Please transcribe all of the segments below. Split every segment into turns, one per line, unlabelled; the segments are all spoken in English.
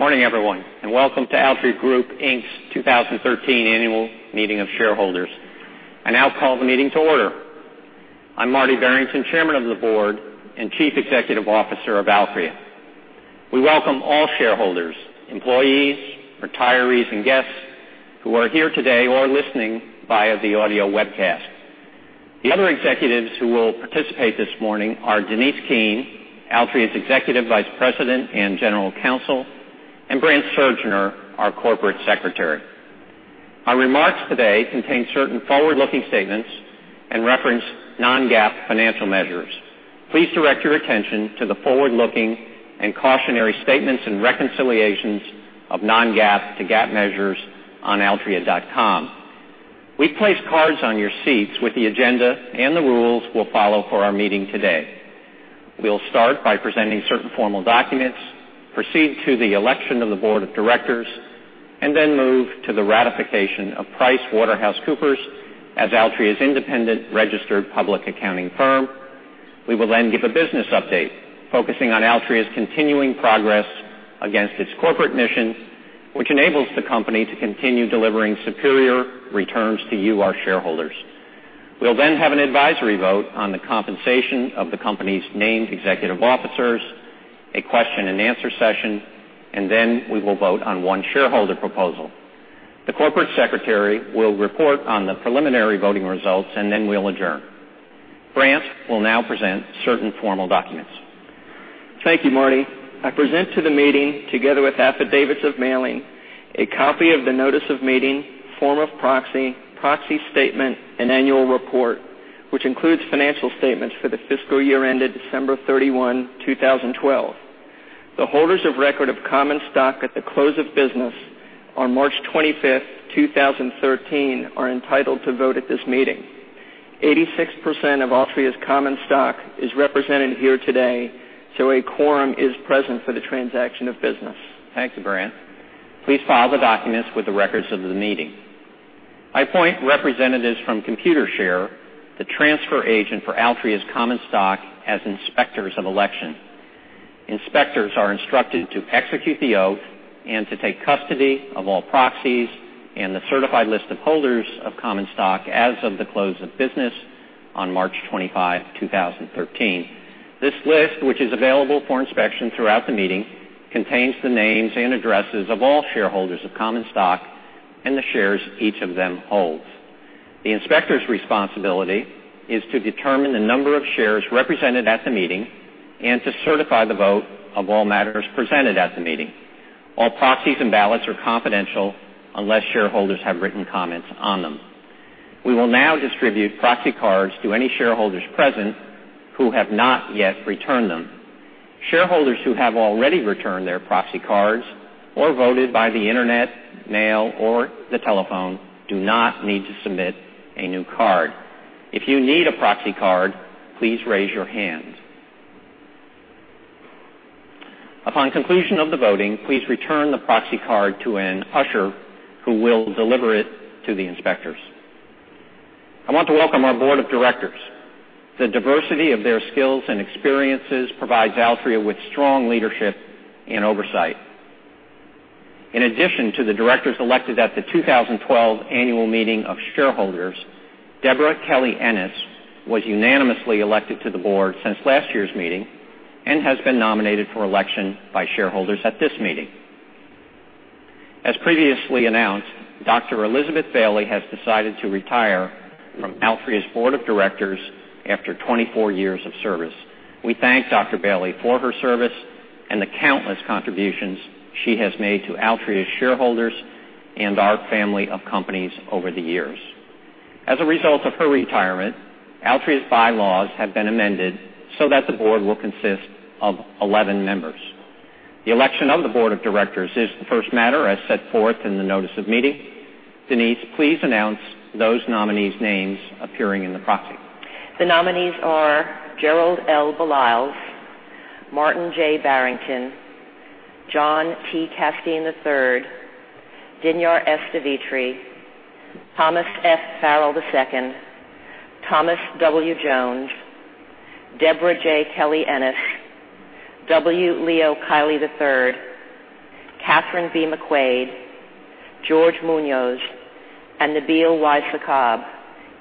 Morning everyone, welcome to Altria Group, Inc.'s 2013 Annual Meeting of Shareholders. I now call the meeting to order. I'm Marty Barrington, Chairman of the Board and Chief Executive Officer of Altria. We welcome all shareholders, employees, retirees, and guests who are here today or listening via the audio webcast. The other executives who will participate this morning are Denise Keane, Altria's Executive Vice President and General Counsel, and Brandt Surgner, our Corporate Secretary. Our remarks today contain certain forward-looking statements and reference non-GAAP financial measures. Please direct your attention to the forward-looking and cautionary statements and reconciliations of non-GAAP to GAAP measures on altria.com. We've placed cards on your seats with the agenda and the rules we'll follow for our meeting today. We'll start by presenting certain formal documents, proceed to the election of the board of directors, move to the ratification of PricewaterhouseCoopers as Altria's independent registered public accounting firm. We will give a business update, focusing on Altria's continuing progress against its corporate mission, which enables the company to continue delivering superior returns to you, our shareholders. We'll have an advisory vote on the compensation of the company's named executive officers, a question and answer session, we will vote on one shareholder proposal. The corporate secretary will report on the preliminary voting results, we'll adjourn. Brandt will now present certain formal documents.
Thank you, Marty. I present to the meeting, together with affidavits of mailing, a copy of the notice of meeting, form of proxy statement, and annual report, which includes financial statements for the fiscal year ended December 31, 2012. The holders of record of common stock at the close of business on March 25, 2013, are entitled to vote at this meeting. 86% of Altria's common stock is represented here today, a quorum is present for the transaction of business.
Thank you, Brandt. Please file the documents with the records of the meeting. I appoint representatives from Computershare, the transfer agent for Altria's common stock, as inspectors of election. Inspectors are instructed to execute the oath and to take custody of all proxies and the certified list of holders of common stock as of the close of business on March 25, 2013. This list, which is available for inspection throughout the meeting, contains the names and addresses of all shareholders of common stock and the shares each of them holds. The inspector's responsibility is to determine the number of shares represented at the meeting and to certify the vote of all matters presented at the meeting. All proxies and ballots are confidential unless shareholders have written comments on them. We will now distribute proxy cards to any shareholders present who have not yet returned them. Shareholders who have already returned their proxy cards or voted by the internet, mail, or the telephone do not need to submit a new card. If you need a proxy card, please raise your hand. Upon conclusion of the voting, please return the proxy card to an usher, who will deliver it to the inspectors. I want to welcome our board of directors. The diversity of their skills and experiences provides Altria with strong leadership and oversight. In addition to the directors elected at the 2012 Annual Meeting of Shareholders, Deborah Kelley Ennis was unanimously elected to the board since last year's meeting and has been nominated for election by shareholders at this meeting. As previously announced, Dr. Elizabeth Bailey has decided to retire from Altria's board of directors after 24 years of service. We thank Dr. Bailey for her service and the countless contributions she has made to Altria's shareholders and our family of companies over the years. As a result of her retirement, Altria's bylaws have been amended so that the board will consist of 11 members. The election of the board of directors is the first matter as set forth in the notice of meeting. Denise, please announce those nominees' names appearing in the proxy.
The nominees are Gerald L. Baliles, Martin J. Barrington, John T. Casteen III, Dinyar S. Devitre, Thomas F. Farrell II, Thomas W. Jones, Deborah J. Kelley Ennis, W. Leo Kiely III, Kathryn B. McQuade, George Muñoz, and Nabil Y. Sakkab,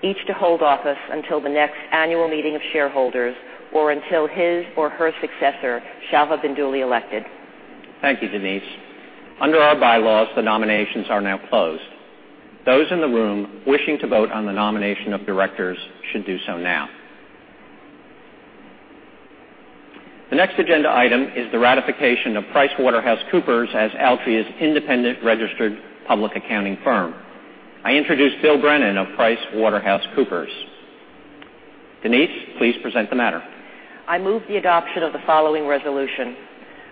each to hold office until the next Annual Meeting of Shareholders or until his or her successor shall have been duly elected.
Thank you, Denise. Under our bylaws, the nominations are now closed. Those in the room wishing to vote on the nomination of directors should do so now. The next agenda item is the ratification of PricewaterhouseCoopers as Altria's independent registered public accounting firm. I introduce Bill Brennan of PricewaterhouseCoopers. Denise, please present the matter.
I move the adoption of the following resolution.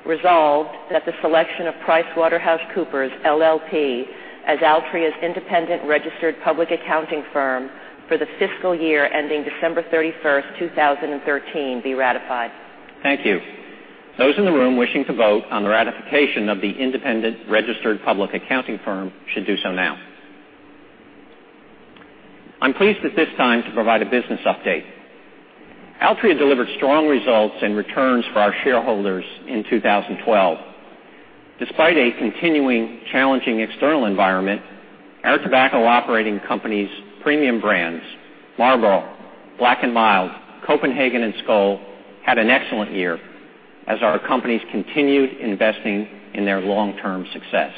Resolved that the selection of PricewaterhouseCoopers LLP as Altria's independent registered public accounting firm for the fiscal year ending December 31st, 2013, be ratified.
Thank you. Those in the room wishing to vote on the ratification of the independent registered public accounting firm should do so now. I am pleased at this time to provide a business update. Altria delivered strong results and returns for our shareholders in 2012. Despite a continuing challenging external environment, our tobacco operating companies' premium brands, Marlboro, Black & Mild, Copenhagen and Skoal, had an excellent year as our companies continued investing in their long-term success.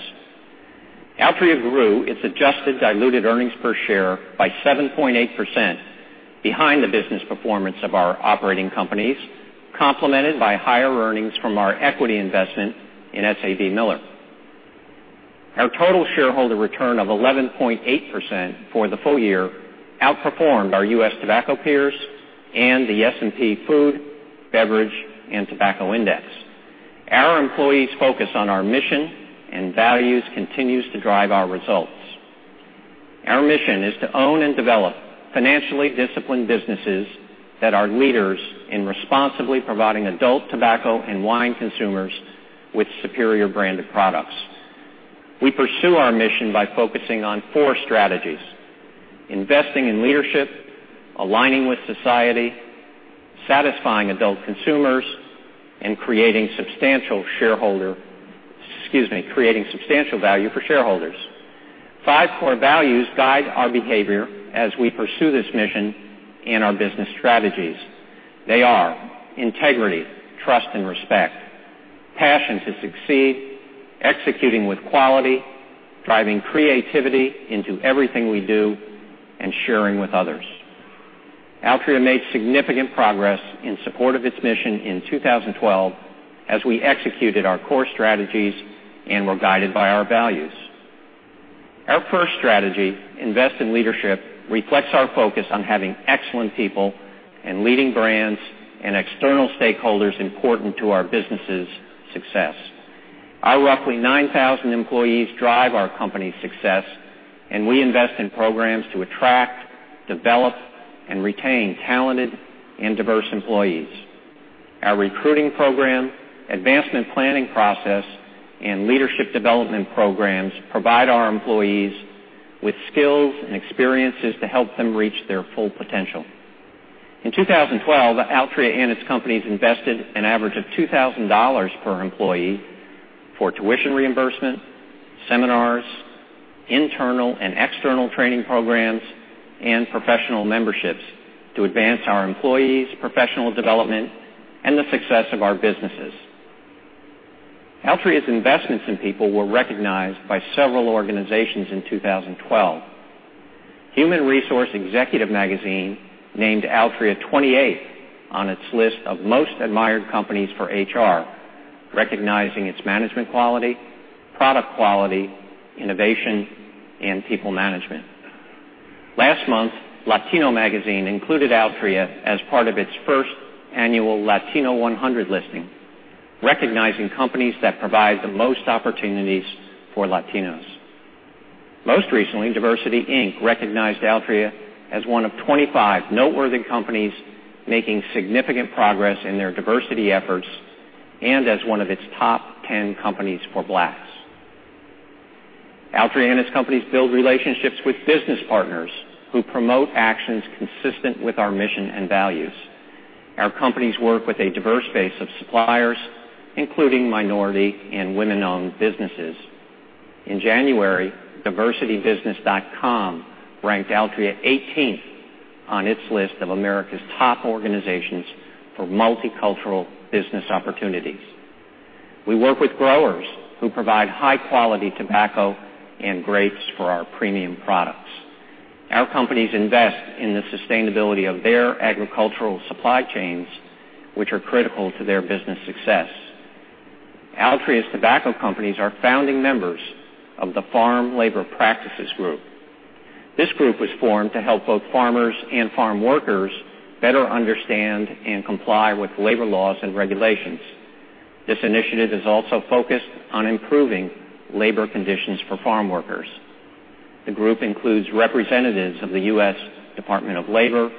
Altria grew its adjusted diluted earnings per share by 7.8% behind the business performance of our operating companies, complemented by higher earnings from our equity investment in SABMiller. Our total shareholder return of 11.8% for the full year outperformed our U.S. tobacco peers and the S&P Food, Beverage, and Tobacco Index. Our employees' focus on our mission and values continues to drive our results. Our mission is to own and develop financially disciplined businesses that are leaders in responsibly providing adult tobacco and wine consumers with superior branded products. We pursue our mission by focusing on four strategies: investing in leadership, aligning with society, satisfying adult consumers, and creating substantial value for shareholders. Five core values guide our behavior as we pursue this mission and our business strategies. They are integrity, trust, and respect, passion to succeed, executing with quality, driving creativity into everything we do, and sharing with others. Altria made significant progress in support of its mission in 2012 as we executed our core strategies and were guided by our values. Our first strategy, invest in leadership, reflects our focus on having excellent people and leading brands and external stakeholders important to our business' success. Our roughly 9,000 employees drive our company's success, and we invest in programs to attract, develop, and retain talented and diverse employees. Our recruiting program, advancement planning process, and leadership development programs provide our employees with skills and experiences to help them reach their full potential. In 2012, Altria and its companies invested an average of $2,000 per employee for tuition reimbursement, seminars, internal and external training programs, and professional memberships to advance our employees' professional development and the success of our businesses. Altria's investments in people were recognized by several organizations in 2012. Human Resource Executive magazine named Altria 28th on its list of most admired companies for HR, recognizing its management quality, product quality, innovation, and people management. Last month, LATINO Magazine included Altria as part of its first annual LATINO 100 listing, recognizing companies that provide the most opportunities for Latinos. Most recently, DiversityInc recognized Altria as one of 25 noteworthy companies making significant progress in their diversity efforts and as one of its top 10 companies for Blacks. Altria and its companies build relationships with business partners who promote actions consistent with our mission and values. Our companies work with a diverse base of suppliers, including minority and women-owned businesses. In January, diversitybusiness.com ranked Altria 18th on its list of America's top organizations for multicultural business opportunities. We work with growers who provide high-quality tobacco and grapes for our premium products. Our companies invest in the sustainability of their agricultural supply chains, which are critical to their business success. Altria's tobacco companies are founding members of the Farm Labor Practices Group. This group was formed to help both farmers and farm workers better understand and comply with labor laws and regulations. This initiative is also focused on improving labor conditions for farm workers. The group includes representatives of the U.S. Department of Labor,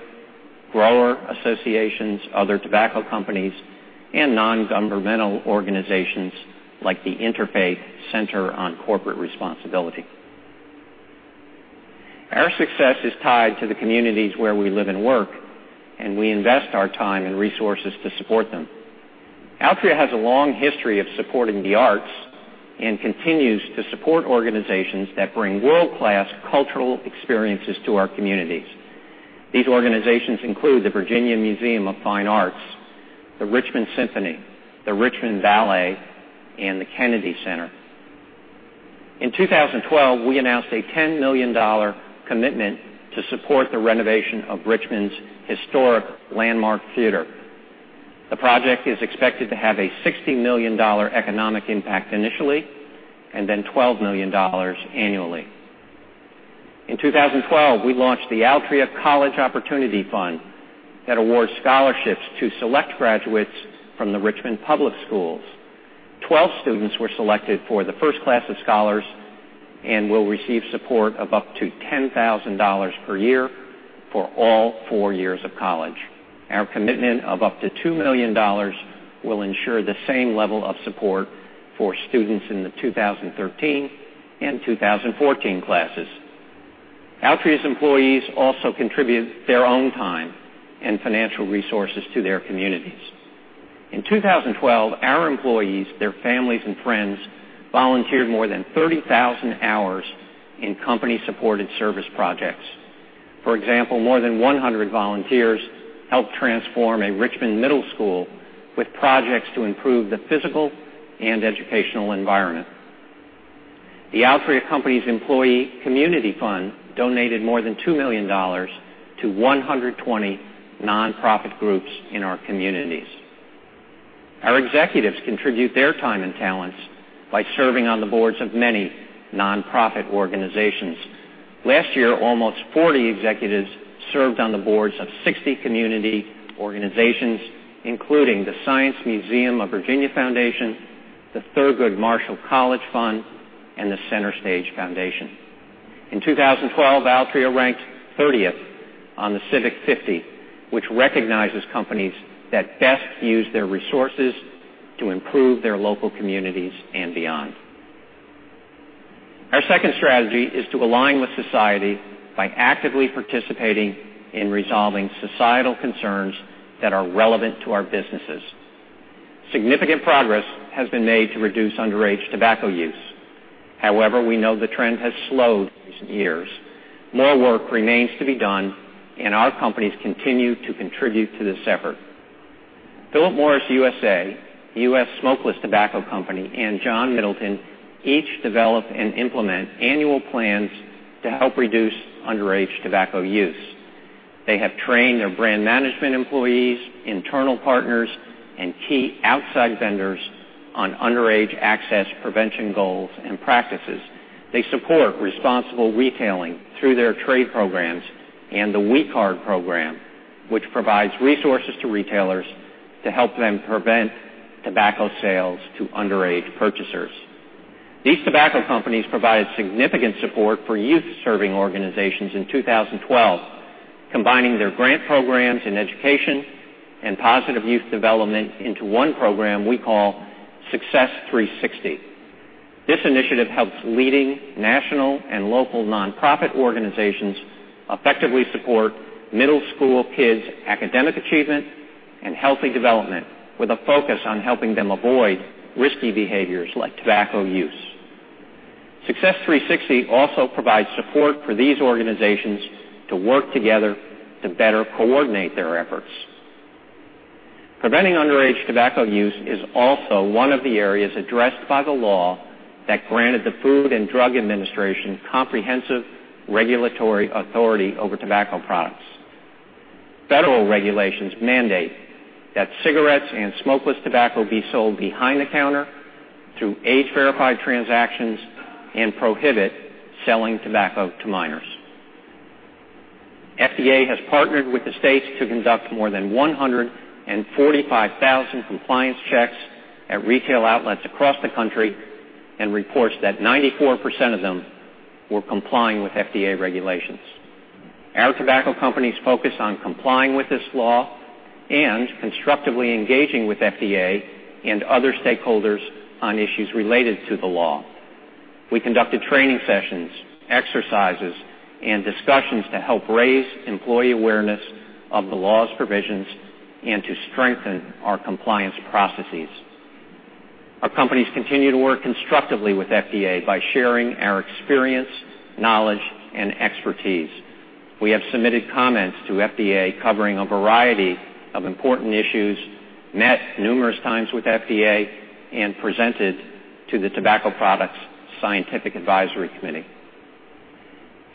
grower associations, other tobacco companies, and non-governmental organizations like the Interfaith Center on Corporate Responsibility. Our success is tied to the communities where we live and work, and we invest our time and resources to support them. Altria has a long history of supporting the arts and continues to support organizations that bring world-class cultural experiences to our communities. These organizations include the Virginia Museum of Fine Arts, the Richmond Symphony, the Richmond Ballet, and the Kennedy Center. In 2012, we announced a $10 million commitment to support the renovation of Richmond's historic Landmark Theater. The project is expected to have a $60 million economic impact initially, and then $12 million annually. In 2012, we launched the Altria College Opportunity Fund that awards scholarships to select graduates from the Richmond Public Schools. 12 students were selected for the first class of scholars and will receive support of up to $10,000 per year for all four years of college. Our commitment of up to $2 million will ensure the same level of support for students in the 2013 and 2014 classes. Altria's employees also contribute their own time and financial resources to their communities. In 2012, our employees, their families, and friends volunteered more than 30,000 hours in company-supported service projects. For example, more than 100 volunteers helped transform a Richmond middle school with projects to improve the physical and educational environment. The Altria company's employee community fund donated more than $2 million to 120 non-profit groups in our communities. Our executives contribute their time and talents by serving on the boards of many non-profit organizations. Last year, almost 40 executives served on the boards of 60 community organizations, including the Science Museum of Virginia Foundation, the Thurgood Marshall College Fund, and the CenterStage Foundation. In 2012, Altria ranked 30th on The Civic 50, which recognizes companies that best use their resources to improve their local communities and beyond. Our second strategy is to align with society by actively participating in resolving societal concerns that are relevant to our businesses. Significant progress has been made to reduce underage tobacco use. However, we know the trend has slowed in recent years. More work remains to be done, and our companies continue to contribute to this effort. Philip Morris USA, U.S. Smokeless Tobacco Company, and John Middleton each develop and implement annual plans to help reduce underage tobacco use. They have trained their brand management employees, internal partners, and key outside vendors on underage access prevention goals and practices. They support responsible retailing through their trade programs and the We Card program, which provides resources to retailers to help them prevent tobacco sales to underage purchasers. These tobacco companies provided significant support for youth-serving organizations in 2012, combining their grant programs in education and positive youth development into one program we call Success 360. This initiative helps leading national and local non-profit organizations effectively support middle school kids' academic achievement and healthy development, with a focus on helping them avoid risky behaviors like tobacco use. Success 360 also provides support for these organizations to work together to better coordinate their efforts. Preventing underage tobacco use is also one of the areas addressed by the law that granted the Food and Drug Administration comprehensive regulatory authority over tobacco products. Federal regulations mandate that cigarettes and smokeless tobacco be sold behind the counter through age-verified transactions and prohibit selling tobacco to minors. FDA has partnered with the states to conduct more than 145,000 compliance checks at retail outlets across the country and reports that 94% of them were complying with FDA regulations. Our tobacco companies focus on complying with this law and constructively engaging with FDA and other stakeholders on issues related to the law. We conducted training sessions, exercises, and discussions to help raise employee awareness of the law's provisions and to strengthen our compliance processes. Our companies continue to work constructively with FDA by sharing our experience, knowledge, and expertise. We have submitted comments to FDA covering a variety of important issues, met numerous times with FDA, and presented to the Tobacco Products Scientific Advisory Committee.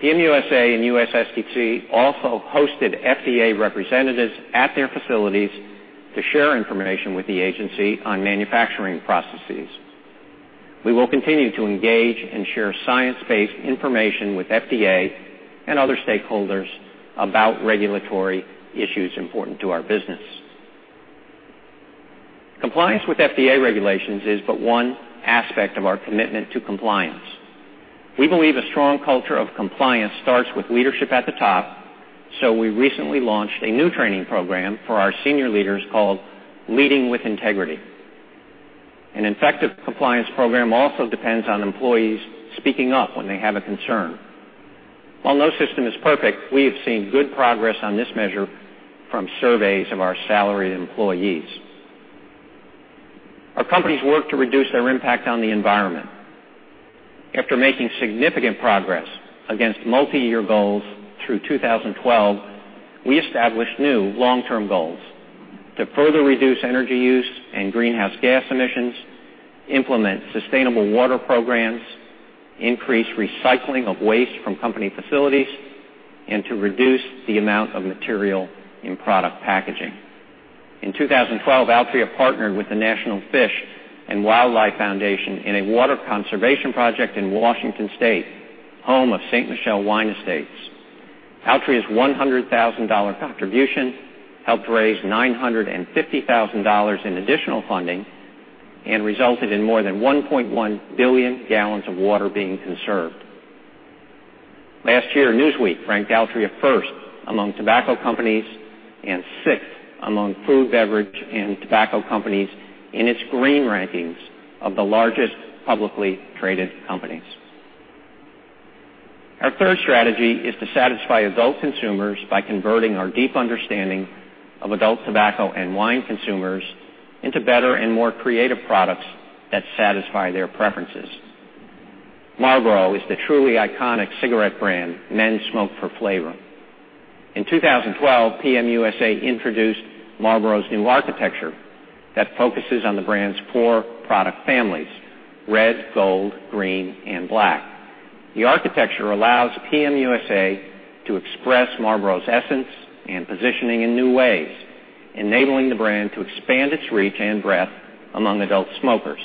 PM USA and US STC also hosted FDA representatives at their facilities to share information with the agency on manufacturing processes. We will continue to engage and share science-based information with FDA and other stakeholders about regulatory issues important to our business. Compliance with FDA regulations is one aspect of our commitment to compliance. We believe a strong culture of compliance starts with leadership at the top. We recently launched a new training program for our senior leaders called Leading with Integrity. An effective compliance program also depends on employees speaking up when they have a concern. While no system is perfect, we have seen good progress on this measure from surveys of our salaried employees. Our companies work to reduce their impact on the environment. After making significant progress against multi-year goals through 2012, we established new long-term goals: to further reduce energy use and greenhouse gas emissions, implement sustainable water programs, increase recycling of waste from company facilities, and to reduce the amount of material in product packaging. In 2012, Altria partnered with the National Fish and Wildlife Foundation in a water conservation project in Washington State, home of Ste. Michelle Wine Estates. Altria's $100,000 contribution helped raise $950,000 in additional funding, resulting in more than 1.1 billion gallons of water being conserved. Last year, Newsweek ranked Altria first among tobacco companies and sixth among food, beverage, and tobacco companies in its green rankings of the largest publicly traded companies. Our third strategy is to satisfy adult consumers by converting our deep understanding of adult tobacco and wine consumers into better and more creative products that satisfy their preferences. Marlboro is the truly iconic cigarette brand men smoke for flavor. In 2012, PM USA introduced Marlboro's new architecture that focuses on the brand's four product families: Red, Gold, Green, and Black. The architecture allows PM USA to express Marlboro's essence and positioning in new ways, enabling the brand to expand its reach and breadth among adult smokers.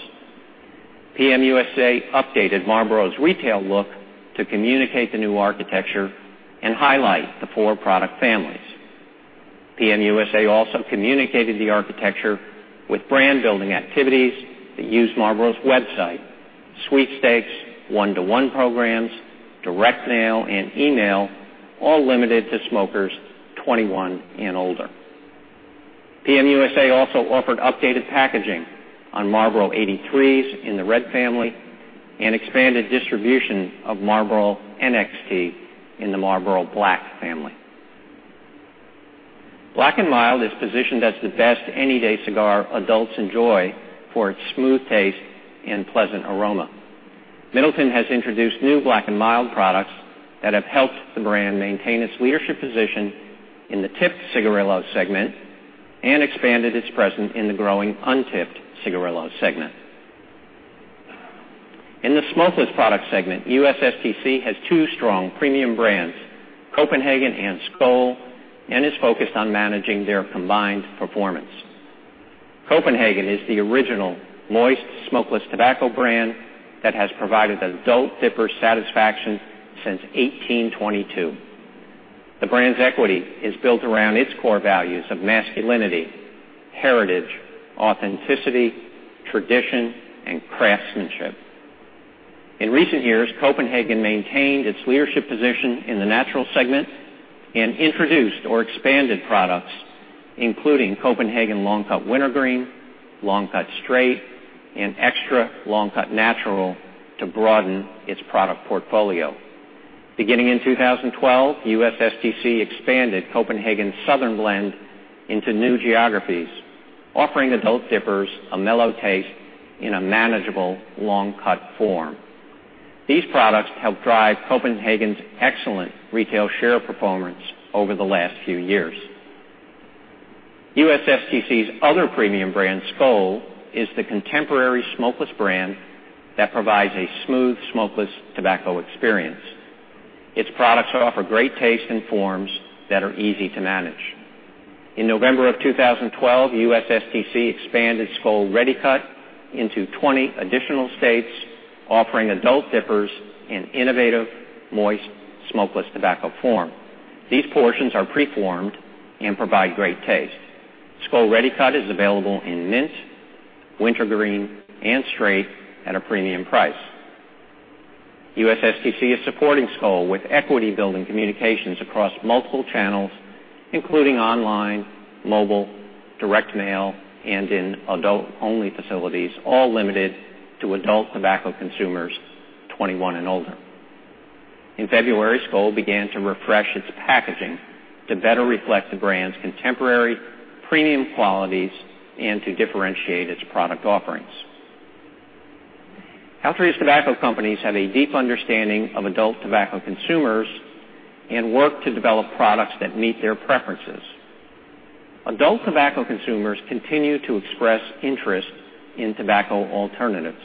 PM USA updated Marlboro's retail look to communicate the new architecture and highlight the four product families. PM USA also communicated the architecture with brand-building activities that use Marlboro's website, sweepstakes, one-to-one programs, direct mail, and email, all limited to smokers 21 and older. PM USA also offered updated packaging on Marlboro 83s in the Red family and expanded distribution of Marlboro NXT in the Marlboro Black family. Black & Mild is positioned as the best any-day cigar adults enjoy for its smooth taste and pleasant aroma. Middleton has introduced new Black & Mild products that have helped the brand maintain its leadership position in the tipped cigarillo segment and expanded its presence in the growing untipped cigarillo segment. In the smokeless product segment, USSTC has 2 strong premium brands, Copenhagen and Skoal, and is focused on managing their combined performance. Copenhagen is the original moist smokeless tobacco brand that has provided adult dipper satisfaction since 1822. The brand's equity is built around its core values of masculinity, heritage, authenticity, tradition, and craftsmanship. In recent years, Copenhagen maintained its leadership position in the natural segment and introduced or expanded products, including Copenhagen Long Cut Wintergreen, Long Cut Straight, and Extra Long Cut Natural to broaden its product portfolio. Beginning in 2012, USSTC expanded Copenhagen's Southern Blend into new geographies, offering adult dippers a mellow taste in a manageable long cut form. These products helped drive Copenhagen's excellent retail share performance over the last few years. USSTC's other premium brand, Skoal, is the contemporary smokeless brand that provides a smooth smokeless tobacco experience. Its products offer great taste and forms that are easy to manage. In November of 2012, USSTC expanded Skoal ReadyCut into 20 additional states, offering adult dippers an innovative, moist smokeless tobacco form. These portions are pre-formed and provide great taste. Skoal ReadyCut is available in Mint, Wintergreen, and Straight at a premium price. USSTC is supporting Skoal with equity-building communications across multiple channels, including online, mobile, direct mail, and in adult-only facilities, all limited to adult tobacco consumers 21 and older. In February, Skoal began to refresh its packaging to better reflect the brand's contemporary premium qualities and to differentiate its product offerings. Altria's tobacco companies have a deep understanding of adult tobacco consumers and work to develop products that meet their preferences. Adult tobacco consumers continue to express interest in tobacco alternatives.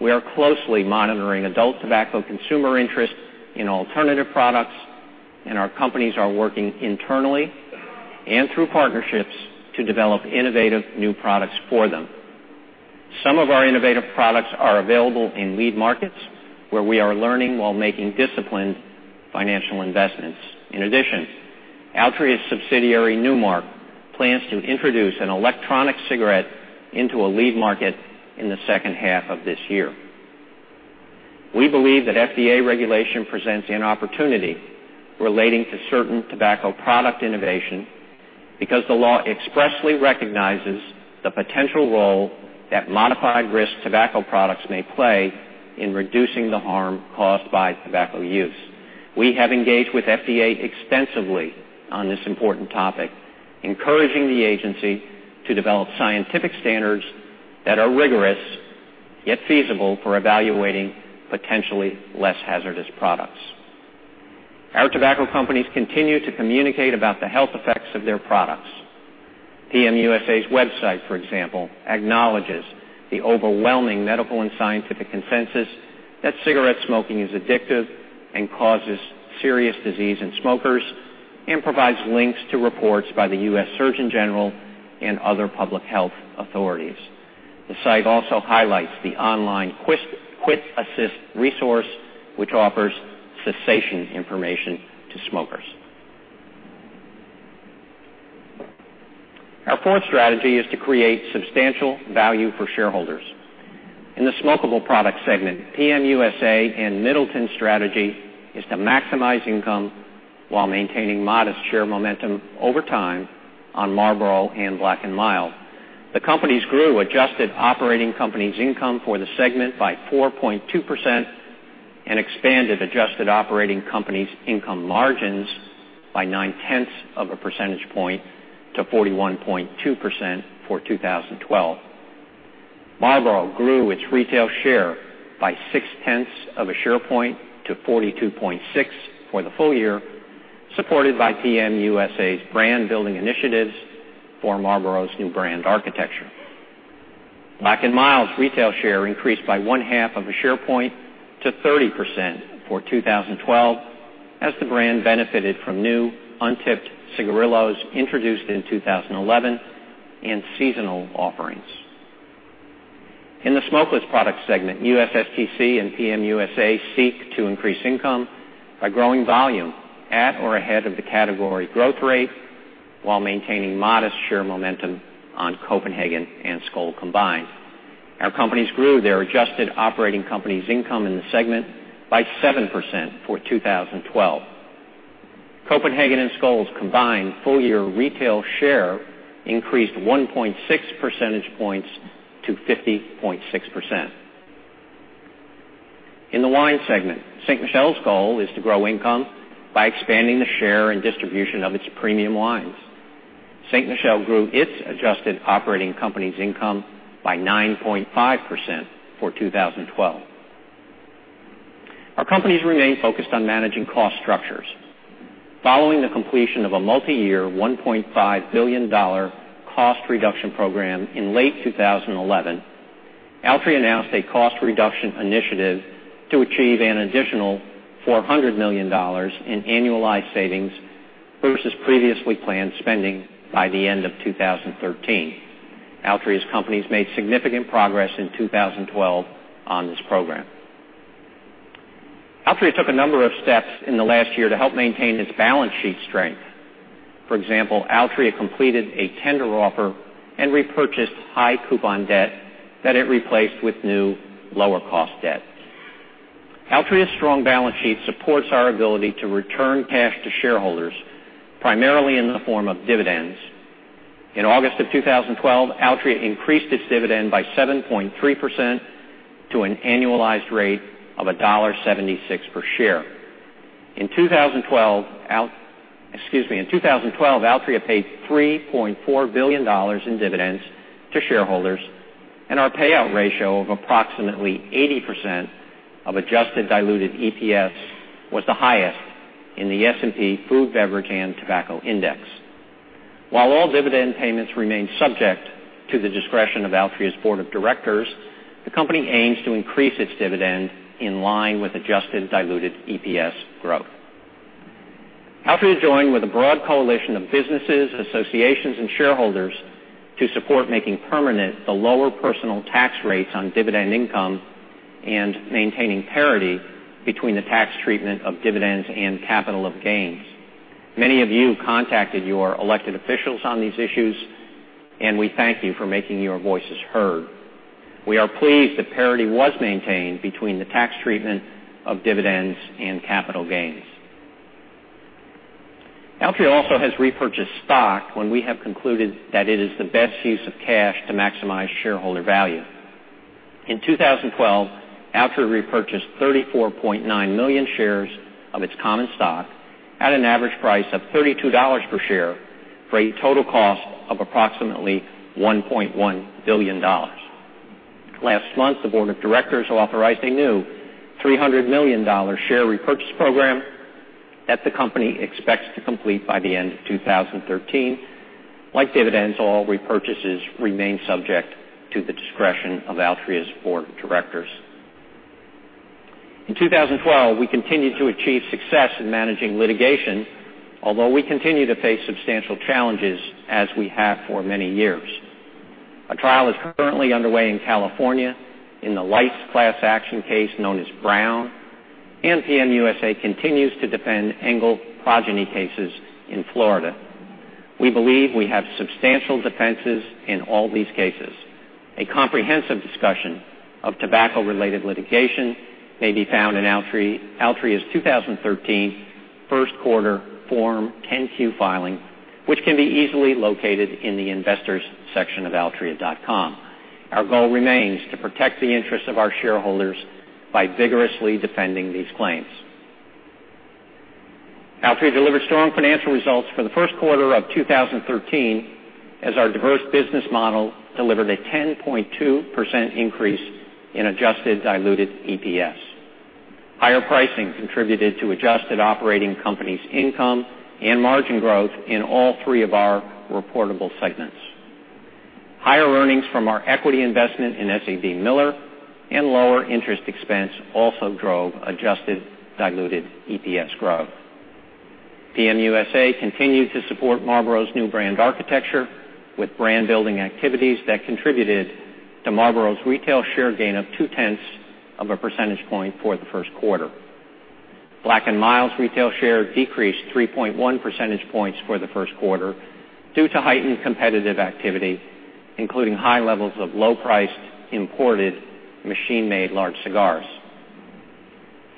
We are closely monitoring adult tobacco consumer interest in alternative products, and our companies are working internally and through partnerships to develop innovative new products for them. Some of our innovative products are available in lead markets, where we are learning while making disciplined financial investments. In addition, Altria's subsidiary Nu Mark plans to introduce an electronic cigarette into a lead market in the second half of this year. We believe that FDA regulation presents an opportunity relating to certain tobacco product innovation because the law expressly recognizes the potential role that modified risk tobacco products may play in reducing the harm caused by tobacco use. We have engaged with FDA extensively on this important topic, encouraging the agency to develop scientific standards that are rigorous, yet feasible for evaluating potentially less hazardous products. Our tobacco companies continue to communicate about the health effects of their products. PM USA's website, for example, acknowledges the overwhelming medical and scientific consensus that cigarette smoking is addictive and causes serious disease in smokers and provides links to reports by the U.S. Surgeon General and other public health authorities. The site also highlights the online QuitAssist resource, which offers cessation information to smokers. Our fourth strategy is to create substantial value for shareholders. In the smokable product segment, PM USA and Middleton's strategy is to maximize income while maintaining modest share momentum over time on Marlboro and Black & Mild. The companies grew adjusted operating companies income for the segment by 4.2% and expanded adjusted operating companies income margins by nine-tenths of a percentage point to 41.2% for 2012. Marlboro grew its retail share by six-tenths of a share point to 42.6% for the full year, supported by PM USA's brand-building initiatives for Marlboro's new brand architecture. Black & Mild's retail share increased by one-half of a share point to 30% for 2012, as the brand benefited from new untipped cigarillos introduced in 2011 and seasonal offerings. In the smokeless product segment, USSTC and PM USA seek to increase income by growing volume at or ahead of the category growth rate while maintaining modest share momentum on Copenhagen and Skoal combined. Our companies grew their adjusted operating companies income in the segment by 7% for 2012. Copenhagen and Skoal's combined full-year retail share increased 1.6 percentage points to 50.6%. In the wine segment, Ste. Michelle's goal is to grow income by expanding the share and distribution of its premium wines. Ste. Michelle grew its adjusted operating company's income by 9.5% for 2012. Our companies remain focused on managing cost structures. Following the completion of a multi-year $1.5 billion cost reduction program in late 2011, Altria announced a cost reduction initiative to achieve an additional $400 million in annualized savings versus previously planned spending by the end of 2013. Altria's companies made significant progress in 2012 on this program. Altria took a number of steps in the last year to help maintain its balance sheet strength. For example, Altria completed a tender offer and repurchased high coupon debt that it replaced with new, lower cost debt. Altria's strong balance sheet supports our ability to return cash to shareholders, primarily in the form of dividends. In August of 2012, Altria increased its dividend by 7.3% to an annualized rate of $1.76 per share. In 2012, Altria paid $3.4 billion in dividends to shareholders, and our payout ratio of approximately 80% of adjusted diluted EPS was the highest in the S&P 500 Food Beverage & Tobacco Index. While all dividend payments remain subject to the discretion of Altria's board of directors, the company aims to increase its dividend in line with adjusted diluted EPS growth. Altria joined with a broad coalition of businesses, associations, and shareholders to support making permanent the lower personal tax rates on dividend income and maintaining parity between the tax treatment of dividends and capital gains. Many of you contacted your elected officials on these issues, and we thank you for making your voices heard. We are pleased that parity was maintained between the tax treatment of dividends and capital gains. Altria also has repurchased stock when we have concluded that it is the best use of cash to maximize shareholder value. In 2012, Altria repurchased 34.9 million shares of its common stock at an average price of $32 per share for a total cost of approximately $1.1 billion. Last month, the board of directors authorized a new $300 million share repurchase program that the company expects to complete by the end of 2013. Like dividends, all repurchases remain subject to the discretion of Altria's board of directors. In 2012, we continued to achieve success in managing litigation, although we continue to face substantial challenges as we have for many years. A trial is currently underway in California in the lights class action case known as Brown, and PM USA continues to defend Engle progeny cases in Florida. We believe we have substantial defenses in all these cases. A comprehensive discussion of tobacco-related litigation may be found in Altria's 2013 first quarter Form 10-Q filing, which can be easily located in the investors section of altria.com. Our goal remains to protect the interests of our shareholders by vigorously defending these claims. Altria delivered strong financial results for the first quarter of 2013 as our diverse business model delivered a 10.2% increase in adjusted diluted EPS. Higher pricing contributed to adjusted operating companies' income and margin growth in all three of our reportable segments. Higher earnings from our equity investment in SABMiller and lower interest expense also drove adjusted diluted EPS growth. PM USA continued to support Marlboro's new brand architecture with brand-building activities that contributed to Marlboro's retail share gain of two-tenths of a percentage point for the first quarter. Black & Mild's retail share decreased 3.1 percentage points for the first quarter due to heightened competitive activity, including high levels of low-priced, imported, machine-made large cigars.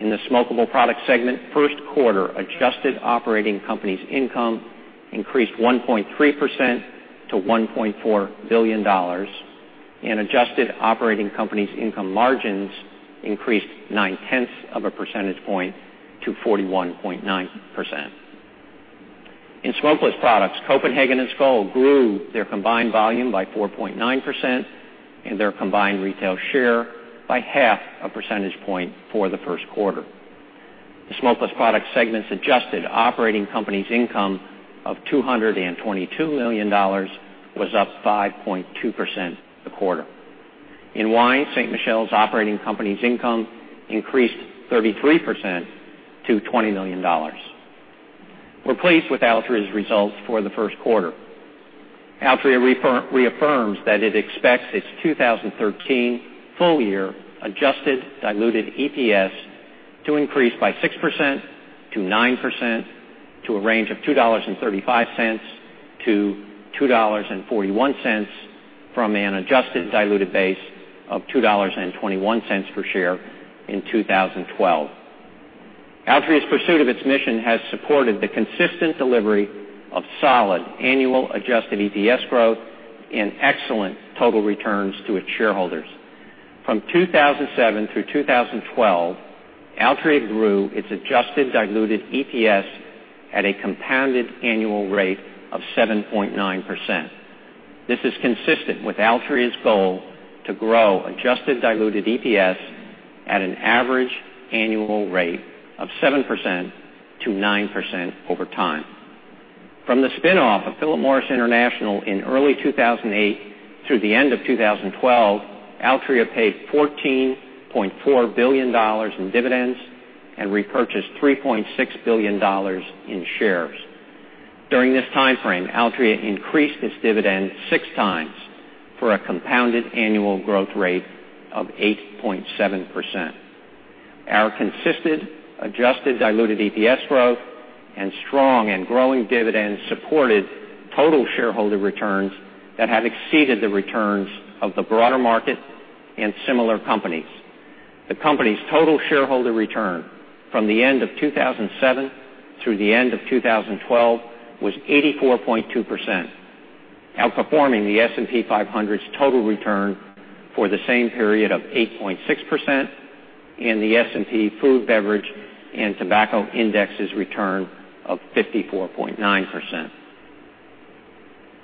In the smokable product segment, first-quarter adjusted operating company's income increased 1.3% to $1.4 billion, and adjusted operating company's income margins increased nine-tenths of a percentage point to 41.9%. In smokeless products, Copenhagen and Skoal grew their combined volume by 4.9% and their combined retail share by half a percentage point for the first quarter. The smokeless product segment's adjusted operating company's income of $222 million was up 5.2% the quarter. In wine, Ste. Michelle's operating company's income increased 33% to $20 million. We're pleased with Altria's results for the first quarter. Altria reaffirms that it expects its 2013 full-year adjusted diluted EPS to increase by 6%-9% to a range of $2.35-$2.41 from an adjusted diluted base of $2.21 per share in 2012. Altria's pursuit of its mission has supported the consistent delivery of solid annual adjusted EPS growth and excellent total returns to its shareholders. From 2007 through 2012, Altria grew its adjusted diluted EPS at a compounded annual rate of 7.9%. This is consistent with Altria's goal to grow adjusted diluted EPS at an average annual rate of 7%-9% over time. From the spin-off of Philip Morris International in early 2008 through the end of 2012, Altria paid $14.4 billion in dividends and repurchased $3.6 billion in shares. During this timeframe, Altria increased its dividend six times for a compounded annual growth rate of 8.7%. Our consistent adjusted diluted EPS growth and strong and growing dividends supported total shareholder returns that have exceeded the returns of the broader market and similar companies. The company's total shareholder return from the end of 2007 through the end of 2012 was 84.2%, outperforming the S&P 500's total return for the same period of 8.6% and the S&P 500 Food, Beverage, and Tobacco Index's return of 54.9%.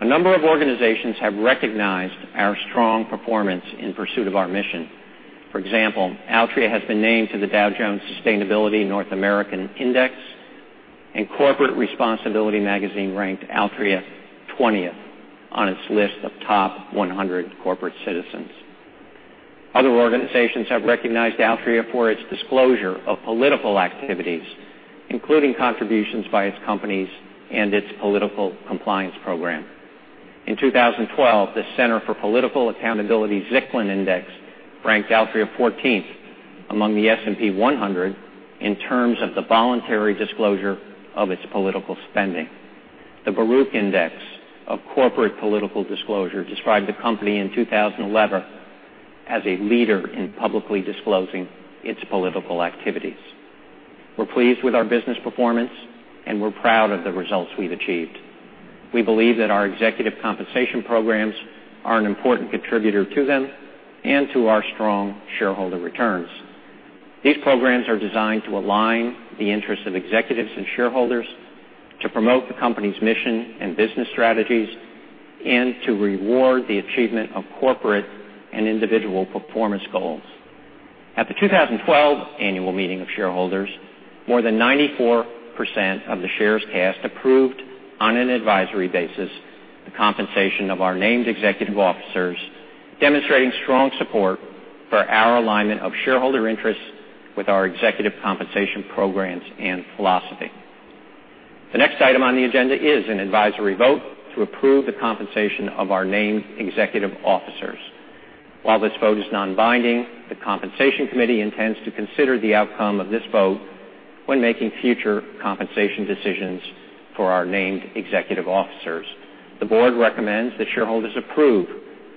A number of organizations have recognized our strong performance in pursuit of our mission. For example, Altria has been named to the Dow Jones Sustainability North America Index, and Corporate Responsibility Magazine ranked Altria 20th on its list of top 100 corporate citizens. Other organizations have recognized Altria for its disclosure of political activities, including contributions by its companies and its political compliance program. In 2012, the Center for Political Accountability Zicklin Index ranked Altria 14th among the S&P 100 in terms of the voluntary disclosure of its political spending. The Baruch Index of Corporate Political Disclosure described the company in 2011 as a leader in publicly disclosing its political activities. We're pleased with our business performance, and we're proud of the results we've achieved. We believe that our executive compensation programs are an important contributor to them and to our strong shareholder returns. These programs are designed to align the interests of executives and shareholders, to promote the company's mission and business strategies, and to reward the achievement of corporate and individual performance goals. At the 2012 annual meeting of shareholders, more than 94% of the shares cast approved on an advisory basis the compensation of our named executive officers, demonstrating strong support for our alignment of shareholder interests with our executive compensation programs and philosophy. The next item on the agenda is an advisory vote to approve the compensation of our named executive officers. While this vote is non-binding, the Compensation Committee intends to consider the outcome of this vote when making future compensation decisions for our named executive officers. The board recommends that shareholders approve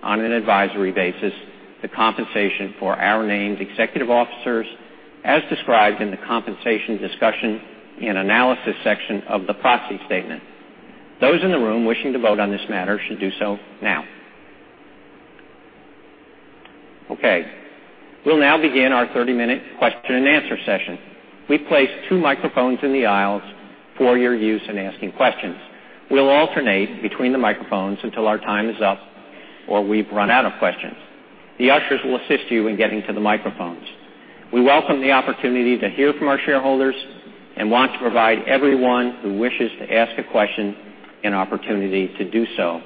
on an advisory basis the compensation for our named executive officers, as described in the compensation discussion and analysis section of the proxy statement. Those in the room wishing to vote on this matter should do so now. Okay. We'll now begin our 30-minute question and answer session. We've placed two microphones in the aisles for your use in asking questions. We'll alternate between the microphones until our time is up or we've run out of questions. The ushers will assist you in getting to the microphones. We welcome the opportunity to hear from our shareholders and want to provide everyone who wishes to ask a question an opportunity to do so.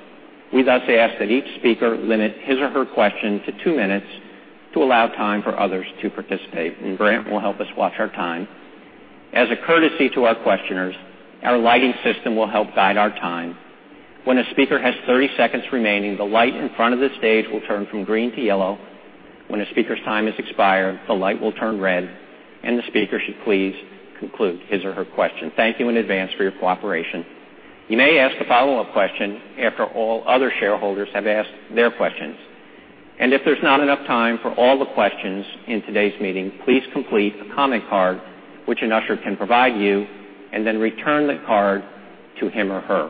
We thus ask that each speaker limit his or her question to two minutes to allow time for others to participate, and Brandt will help us watch our time. As a courtesy to our questioners, our lighting system will help guide our time. When a speaker has 30 seconds remaining, the light in front of the stage will turn from green to yellow. When a speaker's time has expired, the light will turn red, and the speaker should please conclude his or her question. Thank you in advance for your cooperation. You may ask a follow-up question after all other shareholders have asked their questions. If there's not enough time for all the questions in today's meeting, please complete a comment card, which an usher can provide you, and then return the card to him or her.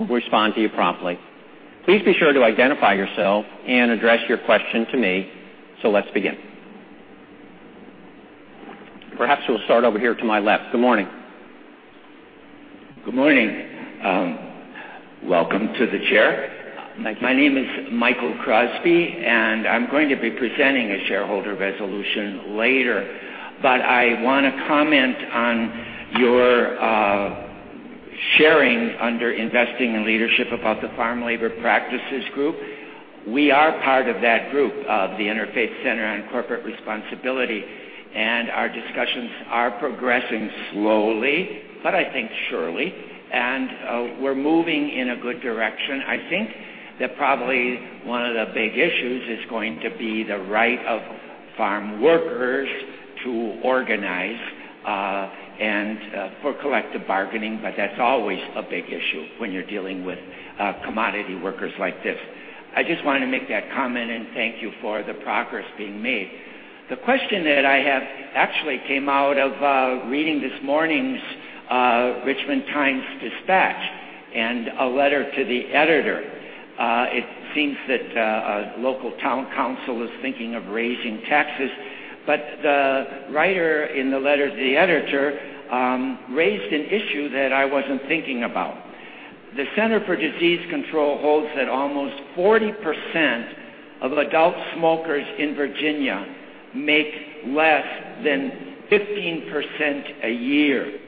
We'll respond to you promptly. Please be sure to identify yourself and address your question to me. Let's begin. Perhaps we'll start over here to my left. Good morning.
Good morning. Welcome to the chair. My name is Michael Crosby, and I'm going to be presenting a shareholder resolution later. I want to comment on your sharing under investing and leadership about the Farm Labor Practices Group. We are part of that group, the Interfaith Center on Corporate Responsibility, our discussions are progressing slowly, I think surely. We're moving in a good direction. I think that probably one of the big issues is going to be the right of farm workers to organize and for collective bargaining, that's always a big issue when you're dealing with commodity workers like this. I just wanted to make that comment and thank you for the progress being made. The question that I have actually came out of reading this morning's Richmond Times-Dispatch and a letter to the editor. It seems that a local town council is thinking of raising taxes, the writer in the letter to the editor raised an issue that I wasn't thinking about. The Centers for Disease Control holds that almost 40% of adult smokers in Virginia make less than 15% a year.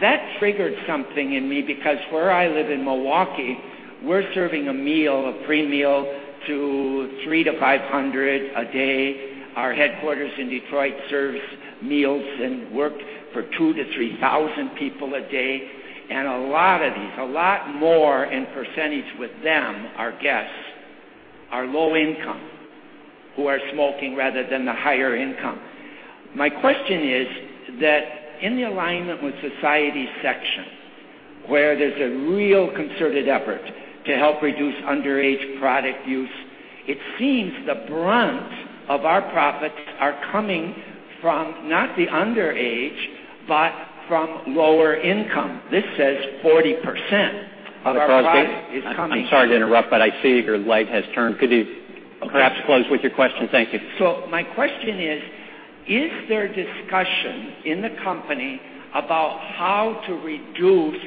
That triggered something in me because where I live in Milwaukee, we're serving a meal, a free meal, to 300 to 500 a day. Our headquarters in Detroit serves meals and work for 2,000 to 3,000 people a day. A lot of these, a lot more in percentage with them, our guests, are low income, who are smoking rather than the higher income. My question is that in the alignment with society section, where there's a real concerted effort to help reduce underage product use, it seems the brunt of our profits are coming from not the underage, from lower income. This says 40% of our product is coming.
Mr. Crosby, I'm sorry to interrupt, I see your light has turned. Could you perhaps close with your question? Thank you.
My question is there discussion in the company about how to reduce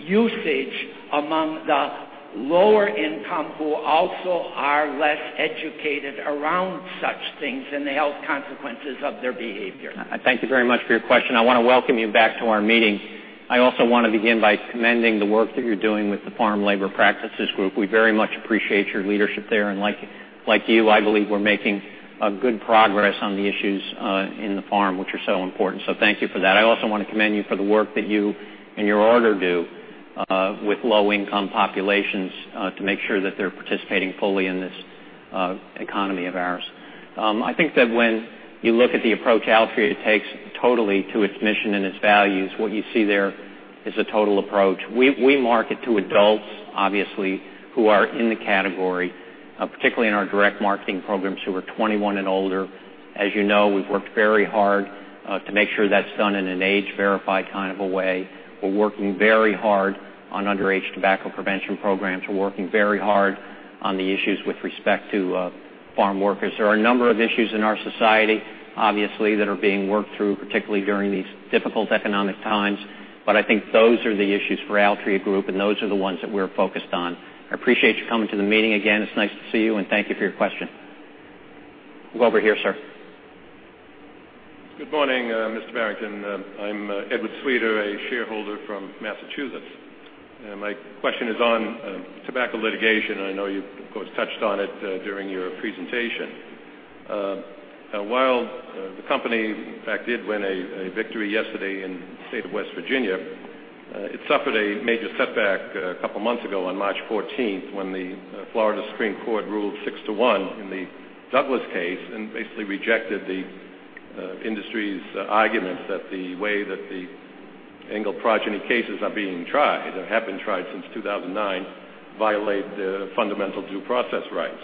usage among the lower income who also are less educated around such things and the health consequences of their behavior?
I thank you very much for your question. I want to welcome you back to our meeting. I also want to begin by commending the work that you're doing with the Farm Labor Practices Group. We very much appreciate your leadership there. Like you, I believe we're making good progress on the issues in the farm, which are so important. Thank you for that. I also want to commend you for the work that you and your order do with low-income populations to make sure that they're participating fully in this economy of ours. I think that when you look at the approach Altria takes totally to its mission and its values, what you see there is a total approach. We market to adults, obviously, who are in the category, particularly in our direct marketing programs, who are 21 and older. As you know, we've worked very hard to make sure that's done in an age-verified kind of a way. We're working very hard on underage tobacco prevention programs. We're working very hard on the issues with respect to farm workers. There are a number of issues in our society, obviously, that are being worked through, particularly during these difficult economic times. I think those are the issues for Altria Group, and those are the ones that we're focused on. I appreciate you coming to the meeting. Again, it's nice to see you, and thank you for your question. We'll go over here, sir.
Good morning, Mr. Barrington. I'm Edward Sweet, a shareholder from Massachusetts. My question is on tobacco litigation. I know you, of course, touched on it during your presentation. While the company, in fact, did win a victory yesterday in the state of West Virginia, it suffered a major setback a couple of months ago on March 14th, when the Supreme Court of Florida ruled six to one in the Douglas case and basically rejected the industry's arguments that the way that the Engle progeny cases are being tried, or have been tried since 2009, violate the fundamental due process rights.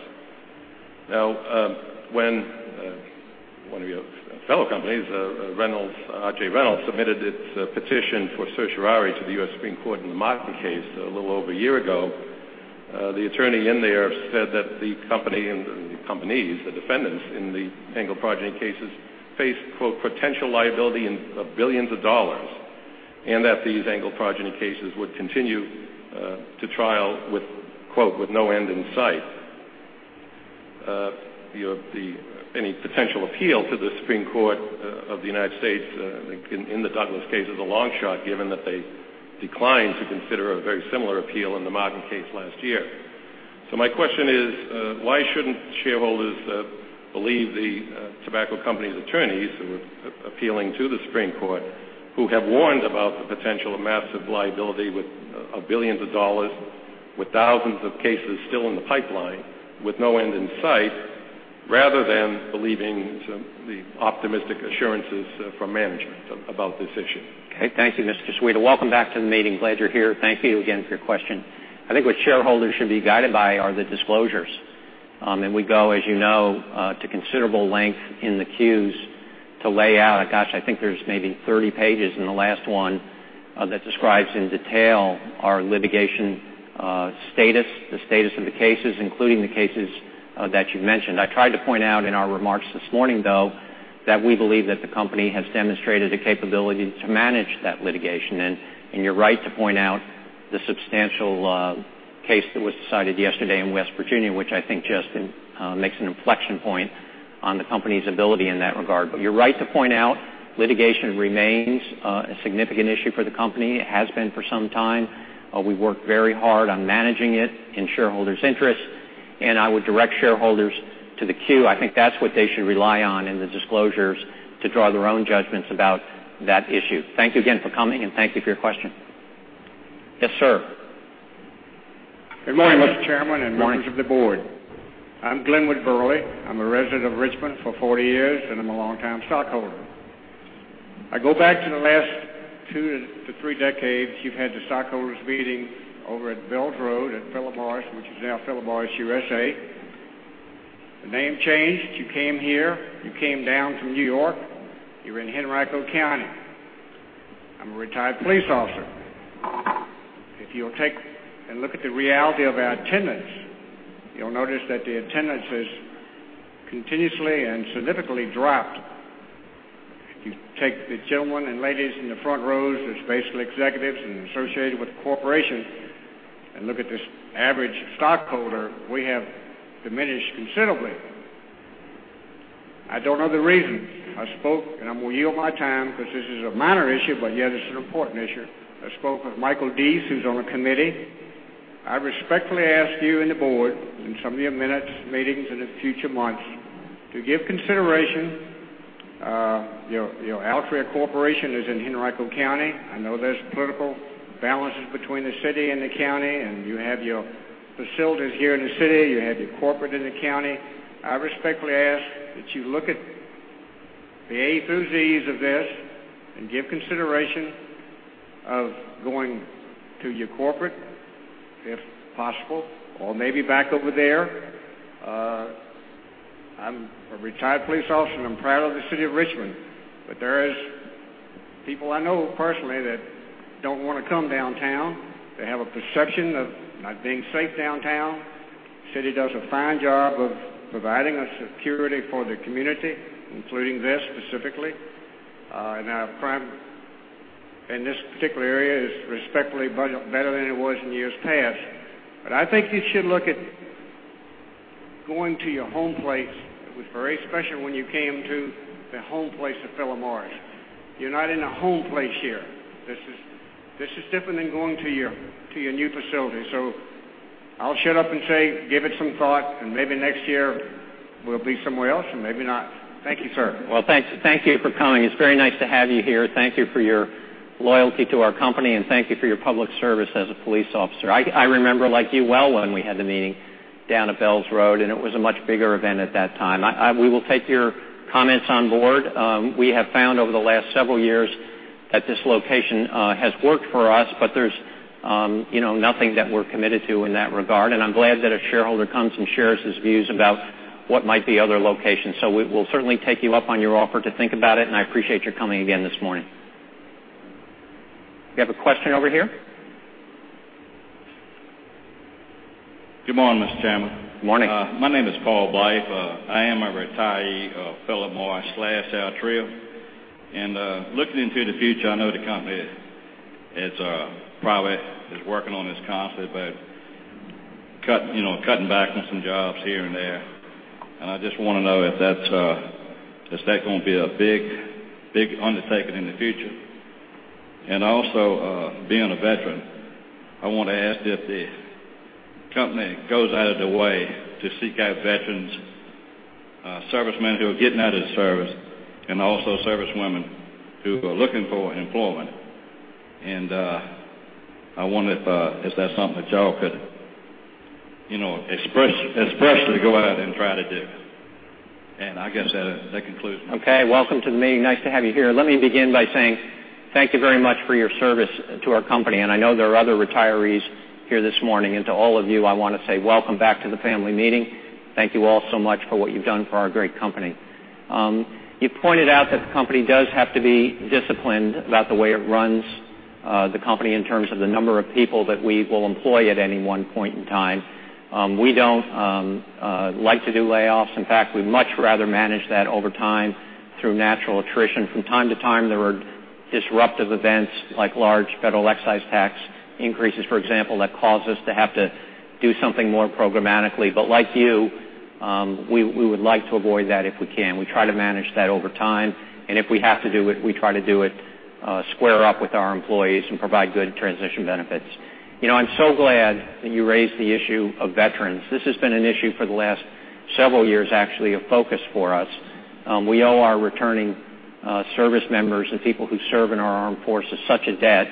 When one of your fellow companies, R.J. Reynolds, submitted its petition for certiorari to the Supreme Court of the United States in the Martin case a little over a year ago, the attorney in there said that the companies, the defendants in the Engle progeny cases, face, quote, "potential liability in $billions," and that these Engle progeny cases would continue to trial, quote, "with no end in sight." Any potential appeal to the Supreme Court of the United States in the Douglas case is a long shot, given that they declined to consider a very similar appeal in the Martin case last year. My question is, why shouldn't shareholders believe the tobacco company's attorneys who are appealing to the Supreme Court of the United States, who have warned about the potential of massive liability with $billions, with thousands of cases still in the pipeline, with no end in sight, rather than believing the optimistic assurances from management about this issue?
Thank you, Mr. Sweet. Welcome back to the meeting. Glad you're here. Thank you again for your question. I think what shareholders should be guided by are the disclosures. We go, as you know, to considerable length in the Qs to lay out, gosh, I think there's maybe 30 pages in the last one that describes in detail our litigation status, the status of the cases, including the cases that you mentioned. I tried to point out in our remarks this morning, though, that we believe that the company has demonstrated the capability to manage that litigation. You're right to point out the substantial case that was decided yesterday in West Virginia, which I think just makes an inflection point on the company's ability in that regard. You're right to point out litigation remains a significant issue for the company. It has been for some time. We've worked very hard on managing it in shareholders' interests. I would direct shareholders to the Q. I think that's what they should rely on in the disclosures to draw their own judgments about that issue. Thank you again for coming. Thank you for your question. Yes, sir.
Good morning, Mr. Chairman. Members of the board.
Morning.
I'm Glenwood Burley. I'm a resident of Richmond for 40 years. I'm a longtime stockholder. I go back to the last two to three decades, you've had the stockholders meeting over at Bells Road at Philip Morris, which is now Philip Morris USA. The name changed. You came here, you came down from New York, you're in Henrico County. I'm a retired police officer. If you'll take and look at the reality of our attendance, you'll notice that the attendance has continuously and significantly dropped. If you take the gentlemen and ladies in the front rows, it's basically executives and associated with the corporation. Look at this average stockholder, we have diminished considerably. I don't know the reason. I spoke. I'm going to yield my time because this is a minor issue, yet it's an important issue. I spoke with Michael Deese, who's on the committee. I respectfully ask you and the board, in some of your minutes, meetings in the future months, to give consideration. Altria Corporation is in Henrico County. I know there's political balances between the city and the county. You have your facilities here in the city. You have your corporate in the county. I respectfully ask that you look at the A through Z's of this. Give consideration of going to your corporate, if possible, or maybe back over there. I'm a retired police officer. I'm proud of the city of Richmond, but there is people I know personally that don't want to come downtown. They have a perception of not being safe downtown. The city does a fine job of providing us security for the community, including this specifically. Our crime in this particular area is respectfully better than it was in years past. I think you should look at going to your home place. It was very special when you came to the home place of Philip Morris. You're not in a home place here. This is different than going to your new facility. I'll shut up and say, give it some thought, and maybe next year we'll be somewhere else and maybe not. Thank you, sir.
Well, thank you for coming. It's very nice to have you here. Thank you for your loyalty to our company, and thank you for your public service as a police officer. I remember, like you, well when we had the meeting down at Bells Road, and it was a much bigger event at that time. We will take your comments on board. We have found over the last several years that this location has worked for us, but there's nothing that we're committed to in that regard. I'm glad that a shareholder comes and shares his views about what might be other locations. We'll certainly take you up on your offer to think about it, and I appreciate your coming again this morning. Do you have a question over here?
Good morning, Mr. Chairman.
Morning.
My name is Paul Blythe. I am a retiree of Philip Morris/Altria. Looking into the future, I know the company is probably working on this constantly, but cutting back on some jobs here and there. I just want to know if that's going to be a big undertaking in the future. Also, being a veteran, I want to ask if the company goes out of the way to seek out veterans, servicemen who are getting out of the service, and also service women who are looking for employment. I wonder if that's something that you all could expressly go out and try to do. I guess that concludes me.
Okay. Welcome to the meeting. Nice to have you here. Let me begin by saying thank you very much for your service to our company. I know there are other retirees here this morning. To all of you, I want to say welcome back to the family meeting. Thank you all so much for what you've done for our great company. You pointed out that the company does have to be disciplined about the way it runs the company in terms of the number of people that we will employ at any one point in time. We don't like to do layoffs. In fact, we'd much rather manage that over time through natural attrition. From time to time, there are disruptive events like large federal excise tax increases, for example, that cause us to have to do something more programmatically. Like you, we would like to avoid that if we can. We try to manage that over time. If we have to do it, we try to do it square up with our employees and provide good transition benefits. I'm so glad that you raised the issue of veterans. This has been an issue for the last several years, actually, of focus for us. We owe our returning service members and people who serve in our armed forces such a debt.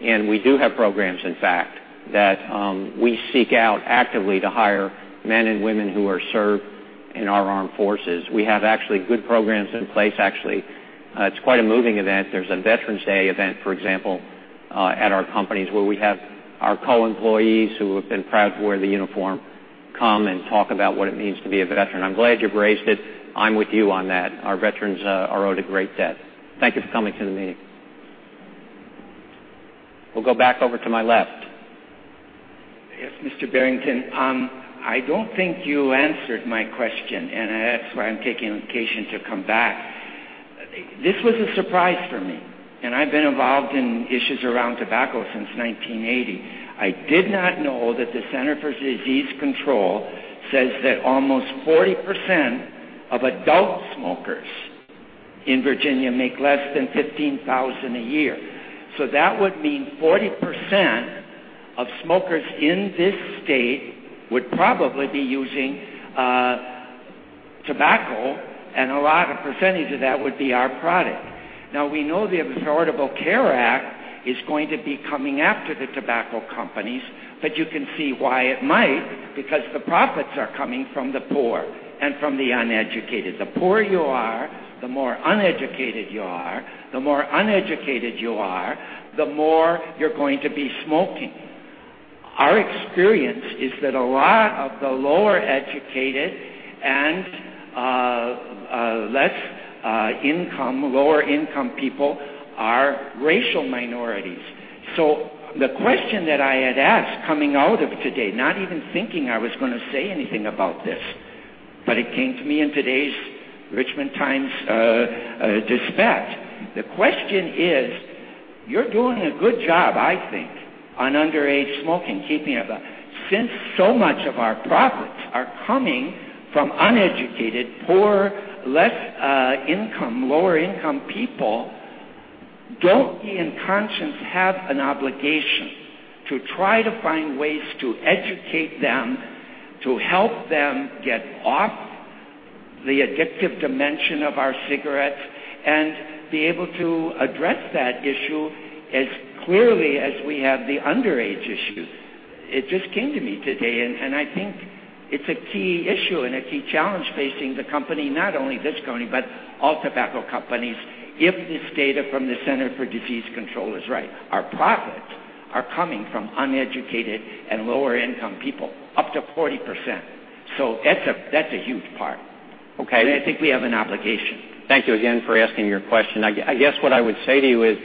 We do have programs, in fact, that we seek out actively to hire men and women who served in our armed forces. We have actually good programs in place, actually. It's quite a moving event. There's a Veterans Day event, for example, at our companies where we have our co-employees who have been proud to wear the uniform, come and talk about what it means to be a veteran. I'm glad you've raised it. I'm with you on that. Our veterans are owed a great debt. Thank you for coming to the meeting. We'll go back over to my left.
Yes, Mr. Barrington. I don't think you answered my question. That's why I'm taking the occasion to come back. This was a surprise for me. I've been involved in issues around tobacco since 1980. I did not know that the Centers for Disease Control says that almost 40% of adult smokers in Virginia make less than $15,000 a year. That would mean 40% of smokers in this state would probably be using tobacco, and a lot of percentage of that would be our product. We know the Affordable Care Act is going to be coming after the tobacco companies. You can see why it might, because the profits are coming from the poor and from the uneducated. The poorer you are, the more uneducated you are, the more you're going to be smoking. Our experience is that a lot of the lower educated and less income, lower income people are racial minorities. The question that I had asked coming out of today, not even thinking I was going to say anything about this, but it came to me in today's Richmond Times-Dispatch. The question is, you're doing a good job, I think, on underage smoking, keeping it. Since so much of our profits are coming from uneducated, poor, less income, lower income people, don't we in conscience have an obligation to try to find ways to educate them, to help them get off the addictive dimension of our cigarettes and be able to address that issue as clearly as we have the underage issues? It just came to me today, I think it's a key issue and a key challenge facing the company, not only this company, but all tobacco companies. If this data from the Center for Disease Control is right, our profits are coming from uneducated and lower income people, up to 40%. That's a huge part.
Okay.
I think we have an obligation.
Thank you again for asking your question. I guess what I would say to you is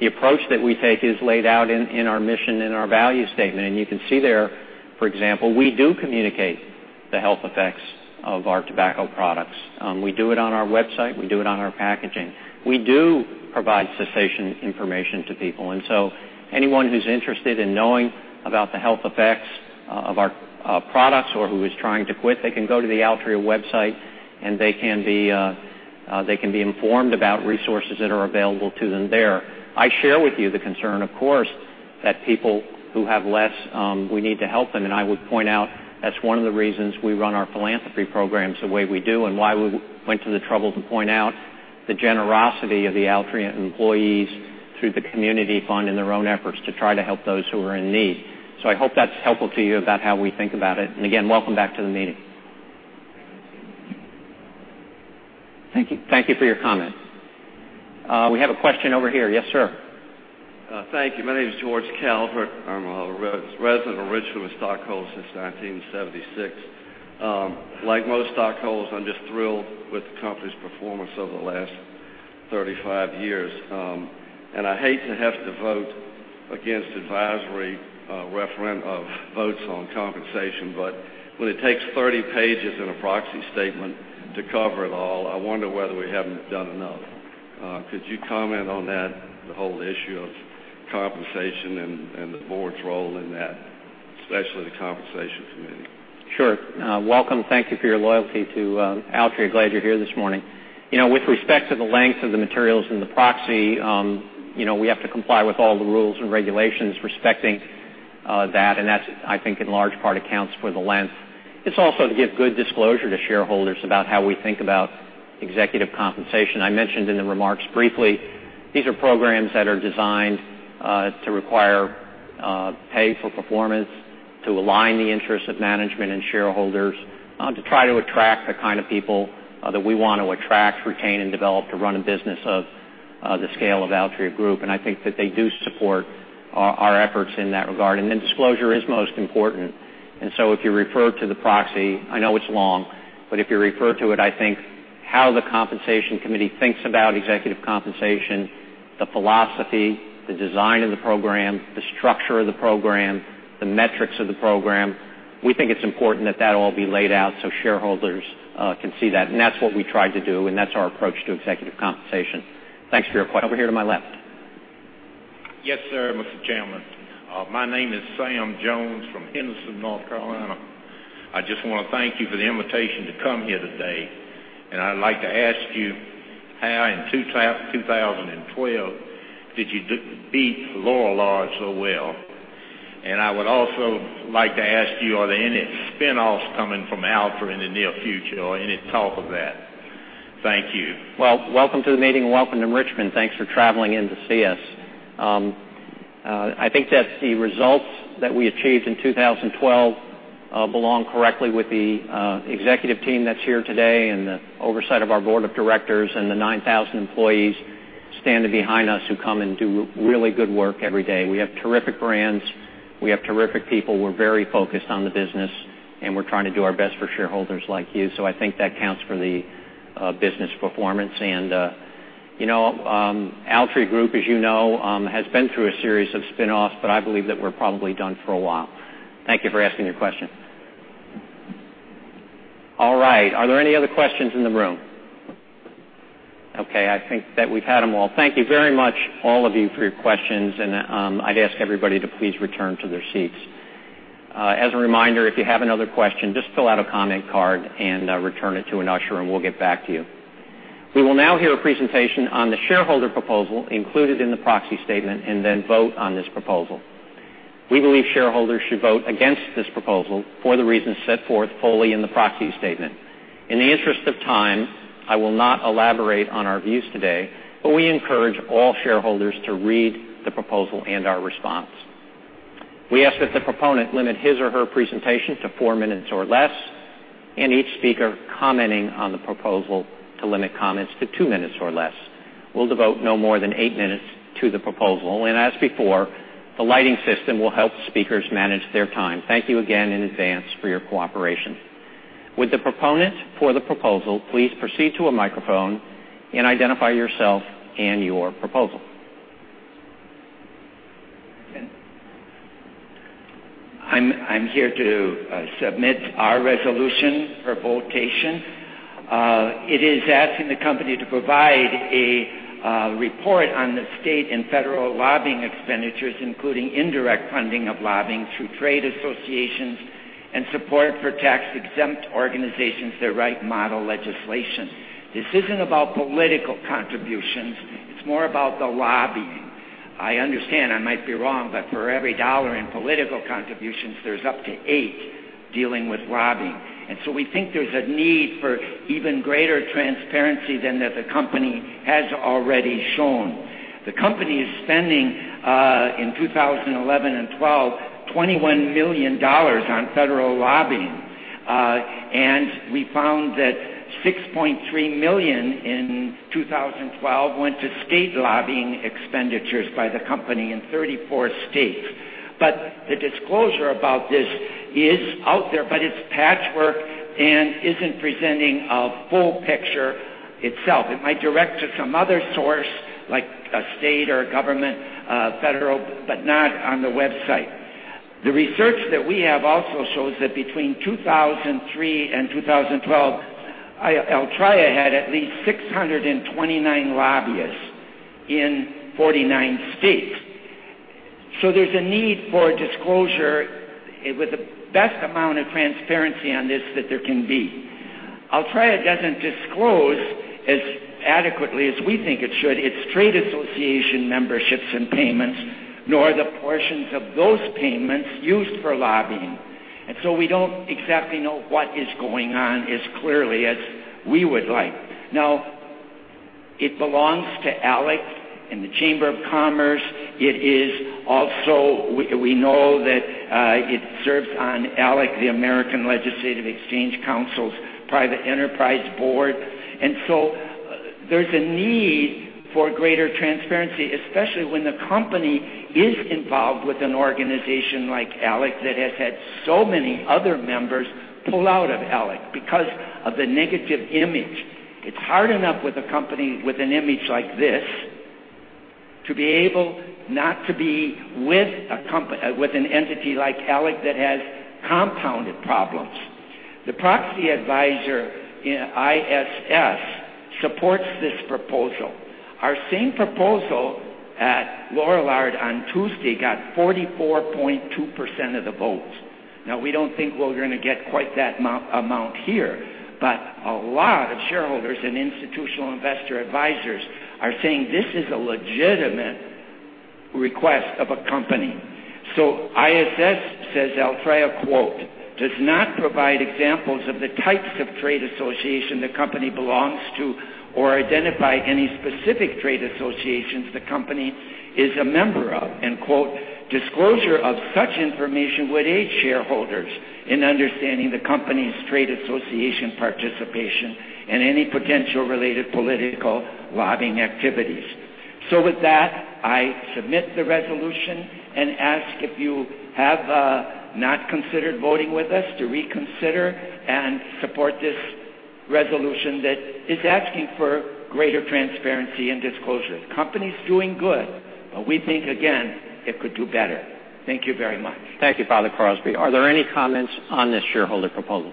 the approach that we take is laid out in our mission and our value statement. You can see there, for example, we do communicate the health effects of our tobacco products. We do it on our website. We do it on our packaging. We do provide cessation information to people. Anyone who's interested in knowing about the health effects of our products or who is trying to quit, they can go to the Altria website, and they can be informed about resources that are available to them there. I share with you the concern, of course, that people who have less, we need to help them. I would point out that's one of the reasons we run our philanthropy programs the way we do and why we went to the trouble to point out the generosity of the Altria employees through the community fund and their own efforts to try to help those who are in need. I hope that's helpful to you about how we think about it. Again, welcome back to the meeting.
Thank you.
Thank you for your comments. We have a question over here. Yes, sir.
Thank you. My name is George Calvert. I'm a resident, originally a stockholder since 1976. Like most stockholders, I'm just thrilled with the company's performance over the last 35 years. I hate to have to vote against advisory referendums of votes on compensation, but when it takes 30 pages in a proxy statement to cover it all, I wonder whether we haven't done enough. Could you comment on that, the whole issue of compensation and the board's role in that, especially the compensation committee?
Sure. Welcome. Thank you for your loyalty to Altria. Glad you're here this morning. With respect to the length of the materials in the proxy, we have to comply with all the rules and regulations respecting that, and that, I think, in large part accounts for the length. It's also to give good disclosure to shareholders about how we think about executive compensation. I mentioned in the remarks briefly, these are programs that are designed to require pay for performance, to align the interests of management and shareholders, to try to attract the kind of people that we want to attract, retain, and develop to run a business of the scale of Altria Group. I think that they do support our efforts in that regard. Disclosure is most important. If you refer to the proxy, I know it's long, but if you refer to it, I think how the compensation committee thinks about executive compensation, the philosophy, the design of the program, the structure of the program, the metrics of the program. We think it's important that that all be laid out so shareholders can see that. That's what we tried to do, and that's our approach to executive compensation. Thanks for your question. Over here to my left.
Yes, sir, Mr. Chairman. My name is Sam Jones from Henderson, North Carolina. I just want to thank you for the invitation to come here today, and I'd like to ask you how in 2012 did you beat Lorillard so well. I would also like to ask you, are there any spinoffs coming from Altria in the near future or any talk of that? Thank you.
Well, welcome to the meeting and welcome to Richmond. Thanks for traveling in to see us. I think that the results that we achieved in 2012 belong correctly with the executive team that's here today and the oversight of our board of directors and the 9,000 employees standing behind us who come and do really good work every day. We have terrific brands. We have terrific people. We're very focused on the business, and we're trying to do our best for shareholders like you. I think that counts for the business performance. Altria Group, as you know, has been through a series of spinoffs, but I believe that we're probably done for a while. Thank you for asking your question. All right. Are there any other questions in the room? Okay, I think that we've had them all. Thank you very much, all of you, for your questions. I'd ask everybody to please return to their seats. As a reminder, if you have another question, just fill out a comment card and return it to an usher and we'll get back to you. We will now hear a presentation on the shareholder proposal included in the proxy statement and then vote on this proposal. We believe shareholders should vote against this proposal for the reasons set forth fully in the proxy statement. In the interest of time, I will not elaborate on our views today, but we encourage all shareholders to read the proposal and our response. We ask that the proponent limit his or her presentation to four minutes or less, and each speaker commenting on the proposal to limit comments to two minutes or less. We'll devote no more than eight minutes to the proposal. As before, the lighting system will help speakers manage their time. Thank you again in advance for your cooperation. Would the proponent for the proposal please proceed to a microphone and identify yourself and your proposal?
I'm here to submit our resolution for vote. It is asking the company to provide a report on the state and federal lobbying expenditures, including indirect funding of lobbying through trade associations and support for tax-exempt organizations that write model legislation. This isn't about political contributions. It's more about the lobbying. I understand I might be wrong, but for every $1 in political contributions, there's up to 8 dealing with lobbying. We think there's a need for even greater transparency than the company has already shown. The company is spending, in 2011 and 2012, $21 million on federal lobbying. We found that $6.3 million in 2012 went to state lobbying expenditures by the company in 34 states. The disclosure about this is out there, but it's patchwork and isn't presenting a full picture itself. It might direct to some other source, like a state or government, federal, but not on the website. The research that we have also shows that between 2003 and 2012, Altria had at least 629 lobbyists in 49 states. There's a need for disclosure with the best amount of transparency on this that there can be. Altria doesn't disclose as adequately as we think it should, its trade association memberships and payments, nor the portions of those payments used for lobbying. We don't exactly know what is going on as clearly as we would like. Now, it belongs to ALEC and the Chamber of Commerce. We know that it serves on ALEC, the American Legislative Exchange Council's private enterprise board. There's a need for greater transparency, especially when the company is involved with an organization like ALEC that has had so many other members pull out of ALEC because of the negative image. It's hard enough with a company with an image like this to be able not to be with an entity like ALEC that has compounded problems. The proxy advisor ISS supports this proposal. Our same proposal at Lorillard on Tuesday got 44.2% of the vote. We don't think we're going to get quite that amount here, but a lot of shareholders and institutional investor advisors are saying this is a legitimate request of a company. ISS says Altria, quote, "Does not provide examples of the types of trade association the company belongs to or identify any specific trade associations the company is a member of." Quote, "Disclosure of such information would aid shareholders in understanding the company's trade association participation and any potential related political lobbying activities." With that, I submit the resolution and ask if you have not considered voting with us to reconsider and support this resolution that is asking for greater transparency and disclosure. The company's doing good, but we think again, it could do better. Thank you very much.
Thank you, Father Crosby. Are there any comments on this shareholder proposal?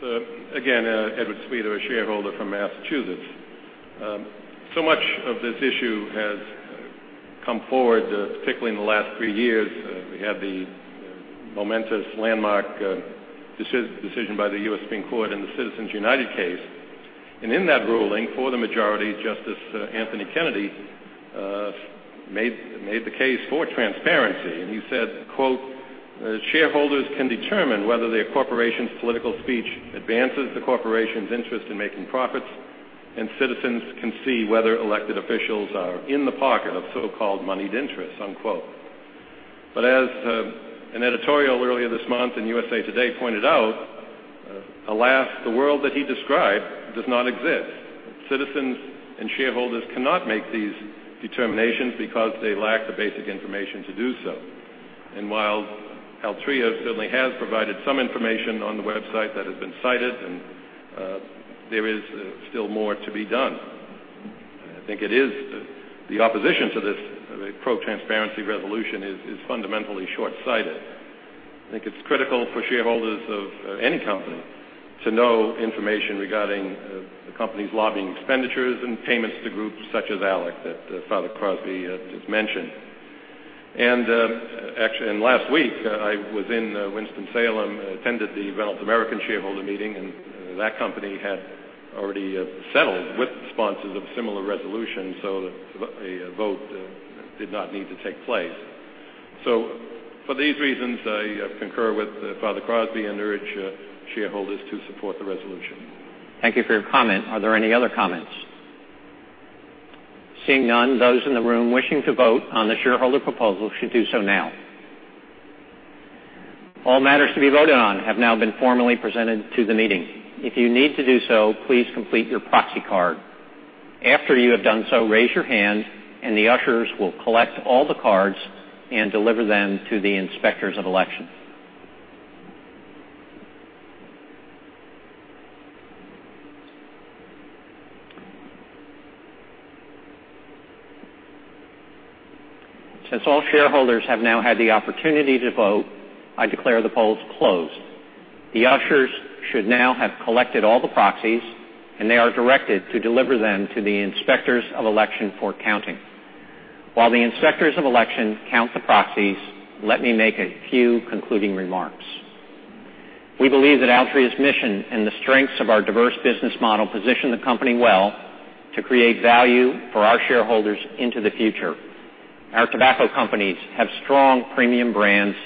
Edward Sweet, a shareholder from Massachusetts. Much of this issue has come forward, particularly in the last three years. We had the momentous landmark decision by the U.S. Supreme Court in the Citizens United case. In that ruling, for the majority, Justice Anthony Kennedy made the case for transparency. He said, quote, "Shareholders can determine whether their corporation's political speech advances the corporation's interest in making profits, and citizens can see whether elected officials are in the pocket of so-called moneyed interests." Unquote. As an editorial earlier this month in USA Today pointed out, alas, the world that he described does not exist. Citizens and shareholders cannot make these determinations because they lack the basic information to do so. While Altria certainly has provided some information on the website that has been cited, there is still more to be done. I think it is the opposition to this pro-transparency resolution is fundamentally shortsighted. I think it's critical for shareholders of any company to know information regarding the company's lobbying expenditures and payments to groups such as ALEC, that Father Crosby has just mentioned. Last week, I was in Winston-Salem, attended the Reynolds American shareholder meeting, and that company had already settled with the sponsors of a similar resolution, so a vote did not need to take place. For these reasons, I concur with Father Crosby and urge shareholders to support the resolution.
Thank you for your comment. Are there any other comments? Seeing none, those in the room wishing to vote on the shareholder proposal should do so now. All matters to be voted on have now been formally presented to the meeting. If you need to do so, please complete your proxy card. After you have done so, raise your hand, and the ushers will collect all the cards and deliver them to the Inspectors of Election. All shareholders have now had the opportunity to vote, I declare the polls closed. The ushers should now have collected all the proxies, and they are directed to deliver them to the Inspectors of Election for counting. The Inspectors of Election count the proxies, let me make a few concluding remarks. We believe that Altria's mission and the strengths of our diverse business model position the company well to create value for our shareholders into the future. Our tobacco companies have strong premium brands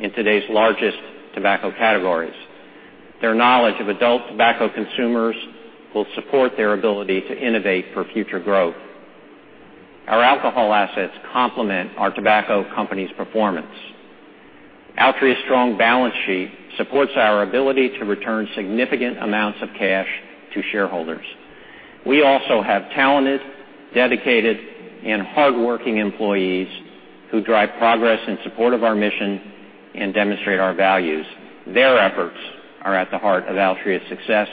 in today's largest tobacco categories. Their knowledge of adult tobacco consumers will support their ability to innovate for future growth. Our alcohol assets complement our tobacco companies' performance. Altria's strong balance sheet supports our ability to return significant amounts of cash to shareholders. We also have talented, dedicated, and hardworking employees who drive progress in support of our mission and demonstrate our values. Their efforts are at the heart of Altria's success,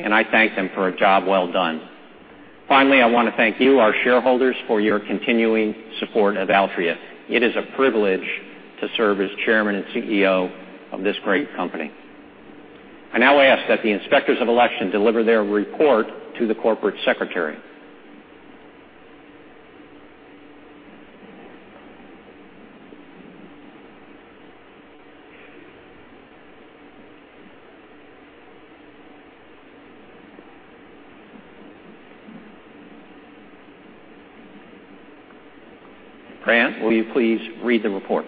I thank them for a job well done. I want to thank you, our shareholders, for your continuing support of Altria. It is a privilege to serve as Chairman and CEO of this great company. I now ask that the Inspectors of Election deliver their report to the Corporate Secretary. Brandt, will you please read the report?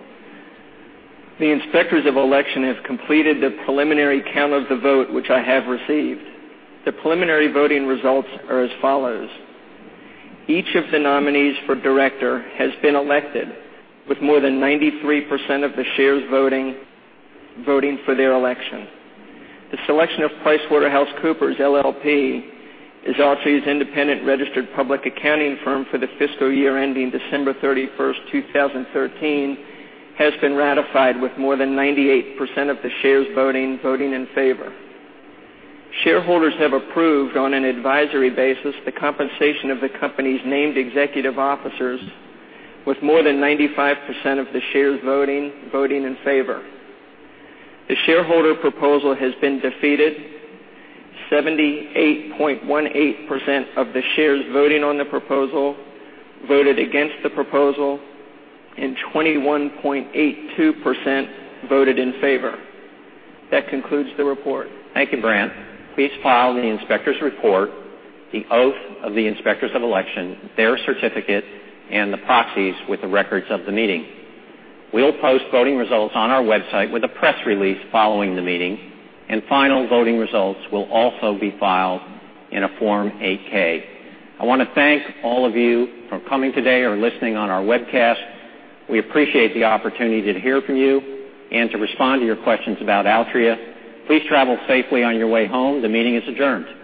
The Inspectors of Election have completed the preliminary count of the vote, which I have received. The preliminary voting results are as follows. Each of the nominees for director has been elected with more than 93% of the shares voting for their election. The selection of PricewaterhouseCoopers LLP as Altria's independent registered public accounting firm for the fiscal year ending December 31st, 2013, has been ratified with more than 98% of the shares voting in favor. Shareholders have approved, on an advisory basis, the compensation of the company's named executive officers with more than 95% of the shares voting in favor. The shareholder proposal has been defeated, 78.18% of the shares voting on the proposal voted against the proposal, and 21.82% voted in favor. That concludes the report.
Thank you, Grant. Please file the inspector's report, the oath of the Inspectors of Election, their certificate, and the proxies with the records of the meeting. We'll post voting results on our website with a press release following the meeting. Final voting results will also be filed in a Form 8-K. I want to thank all of you for coming today or listening on our webcast. We appreciate the opportunity to hear from you and to respond to your questions about Altria. Please travel safely on your way home. The meeting is adjourned.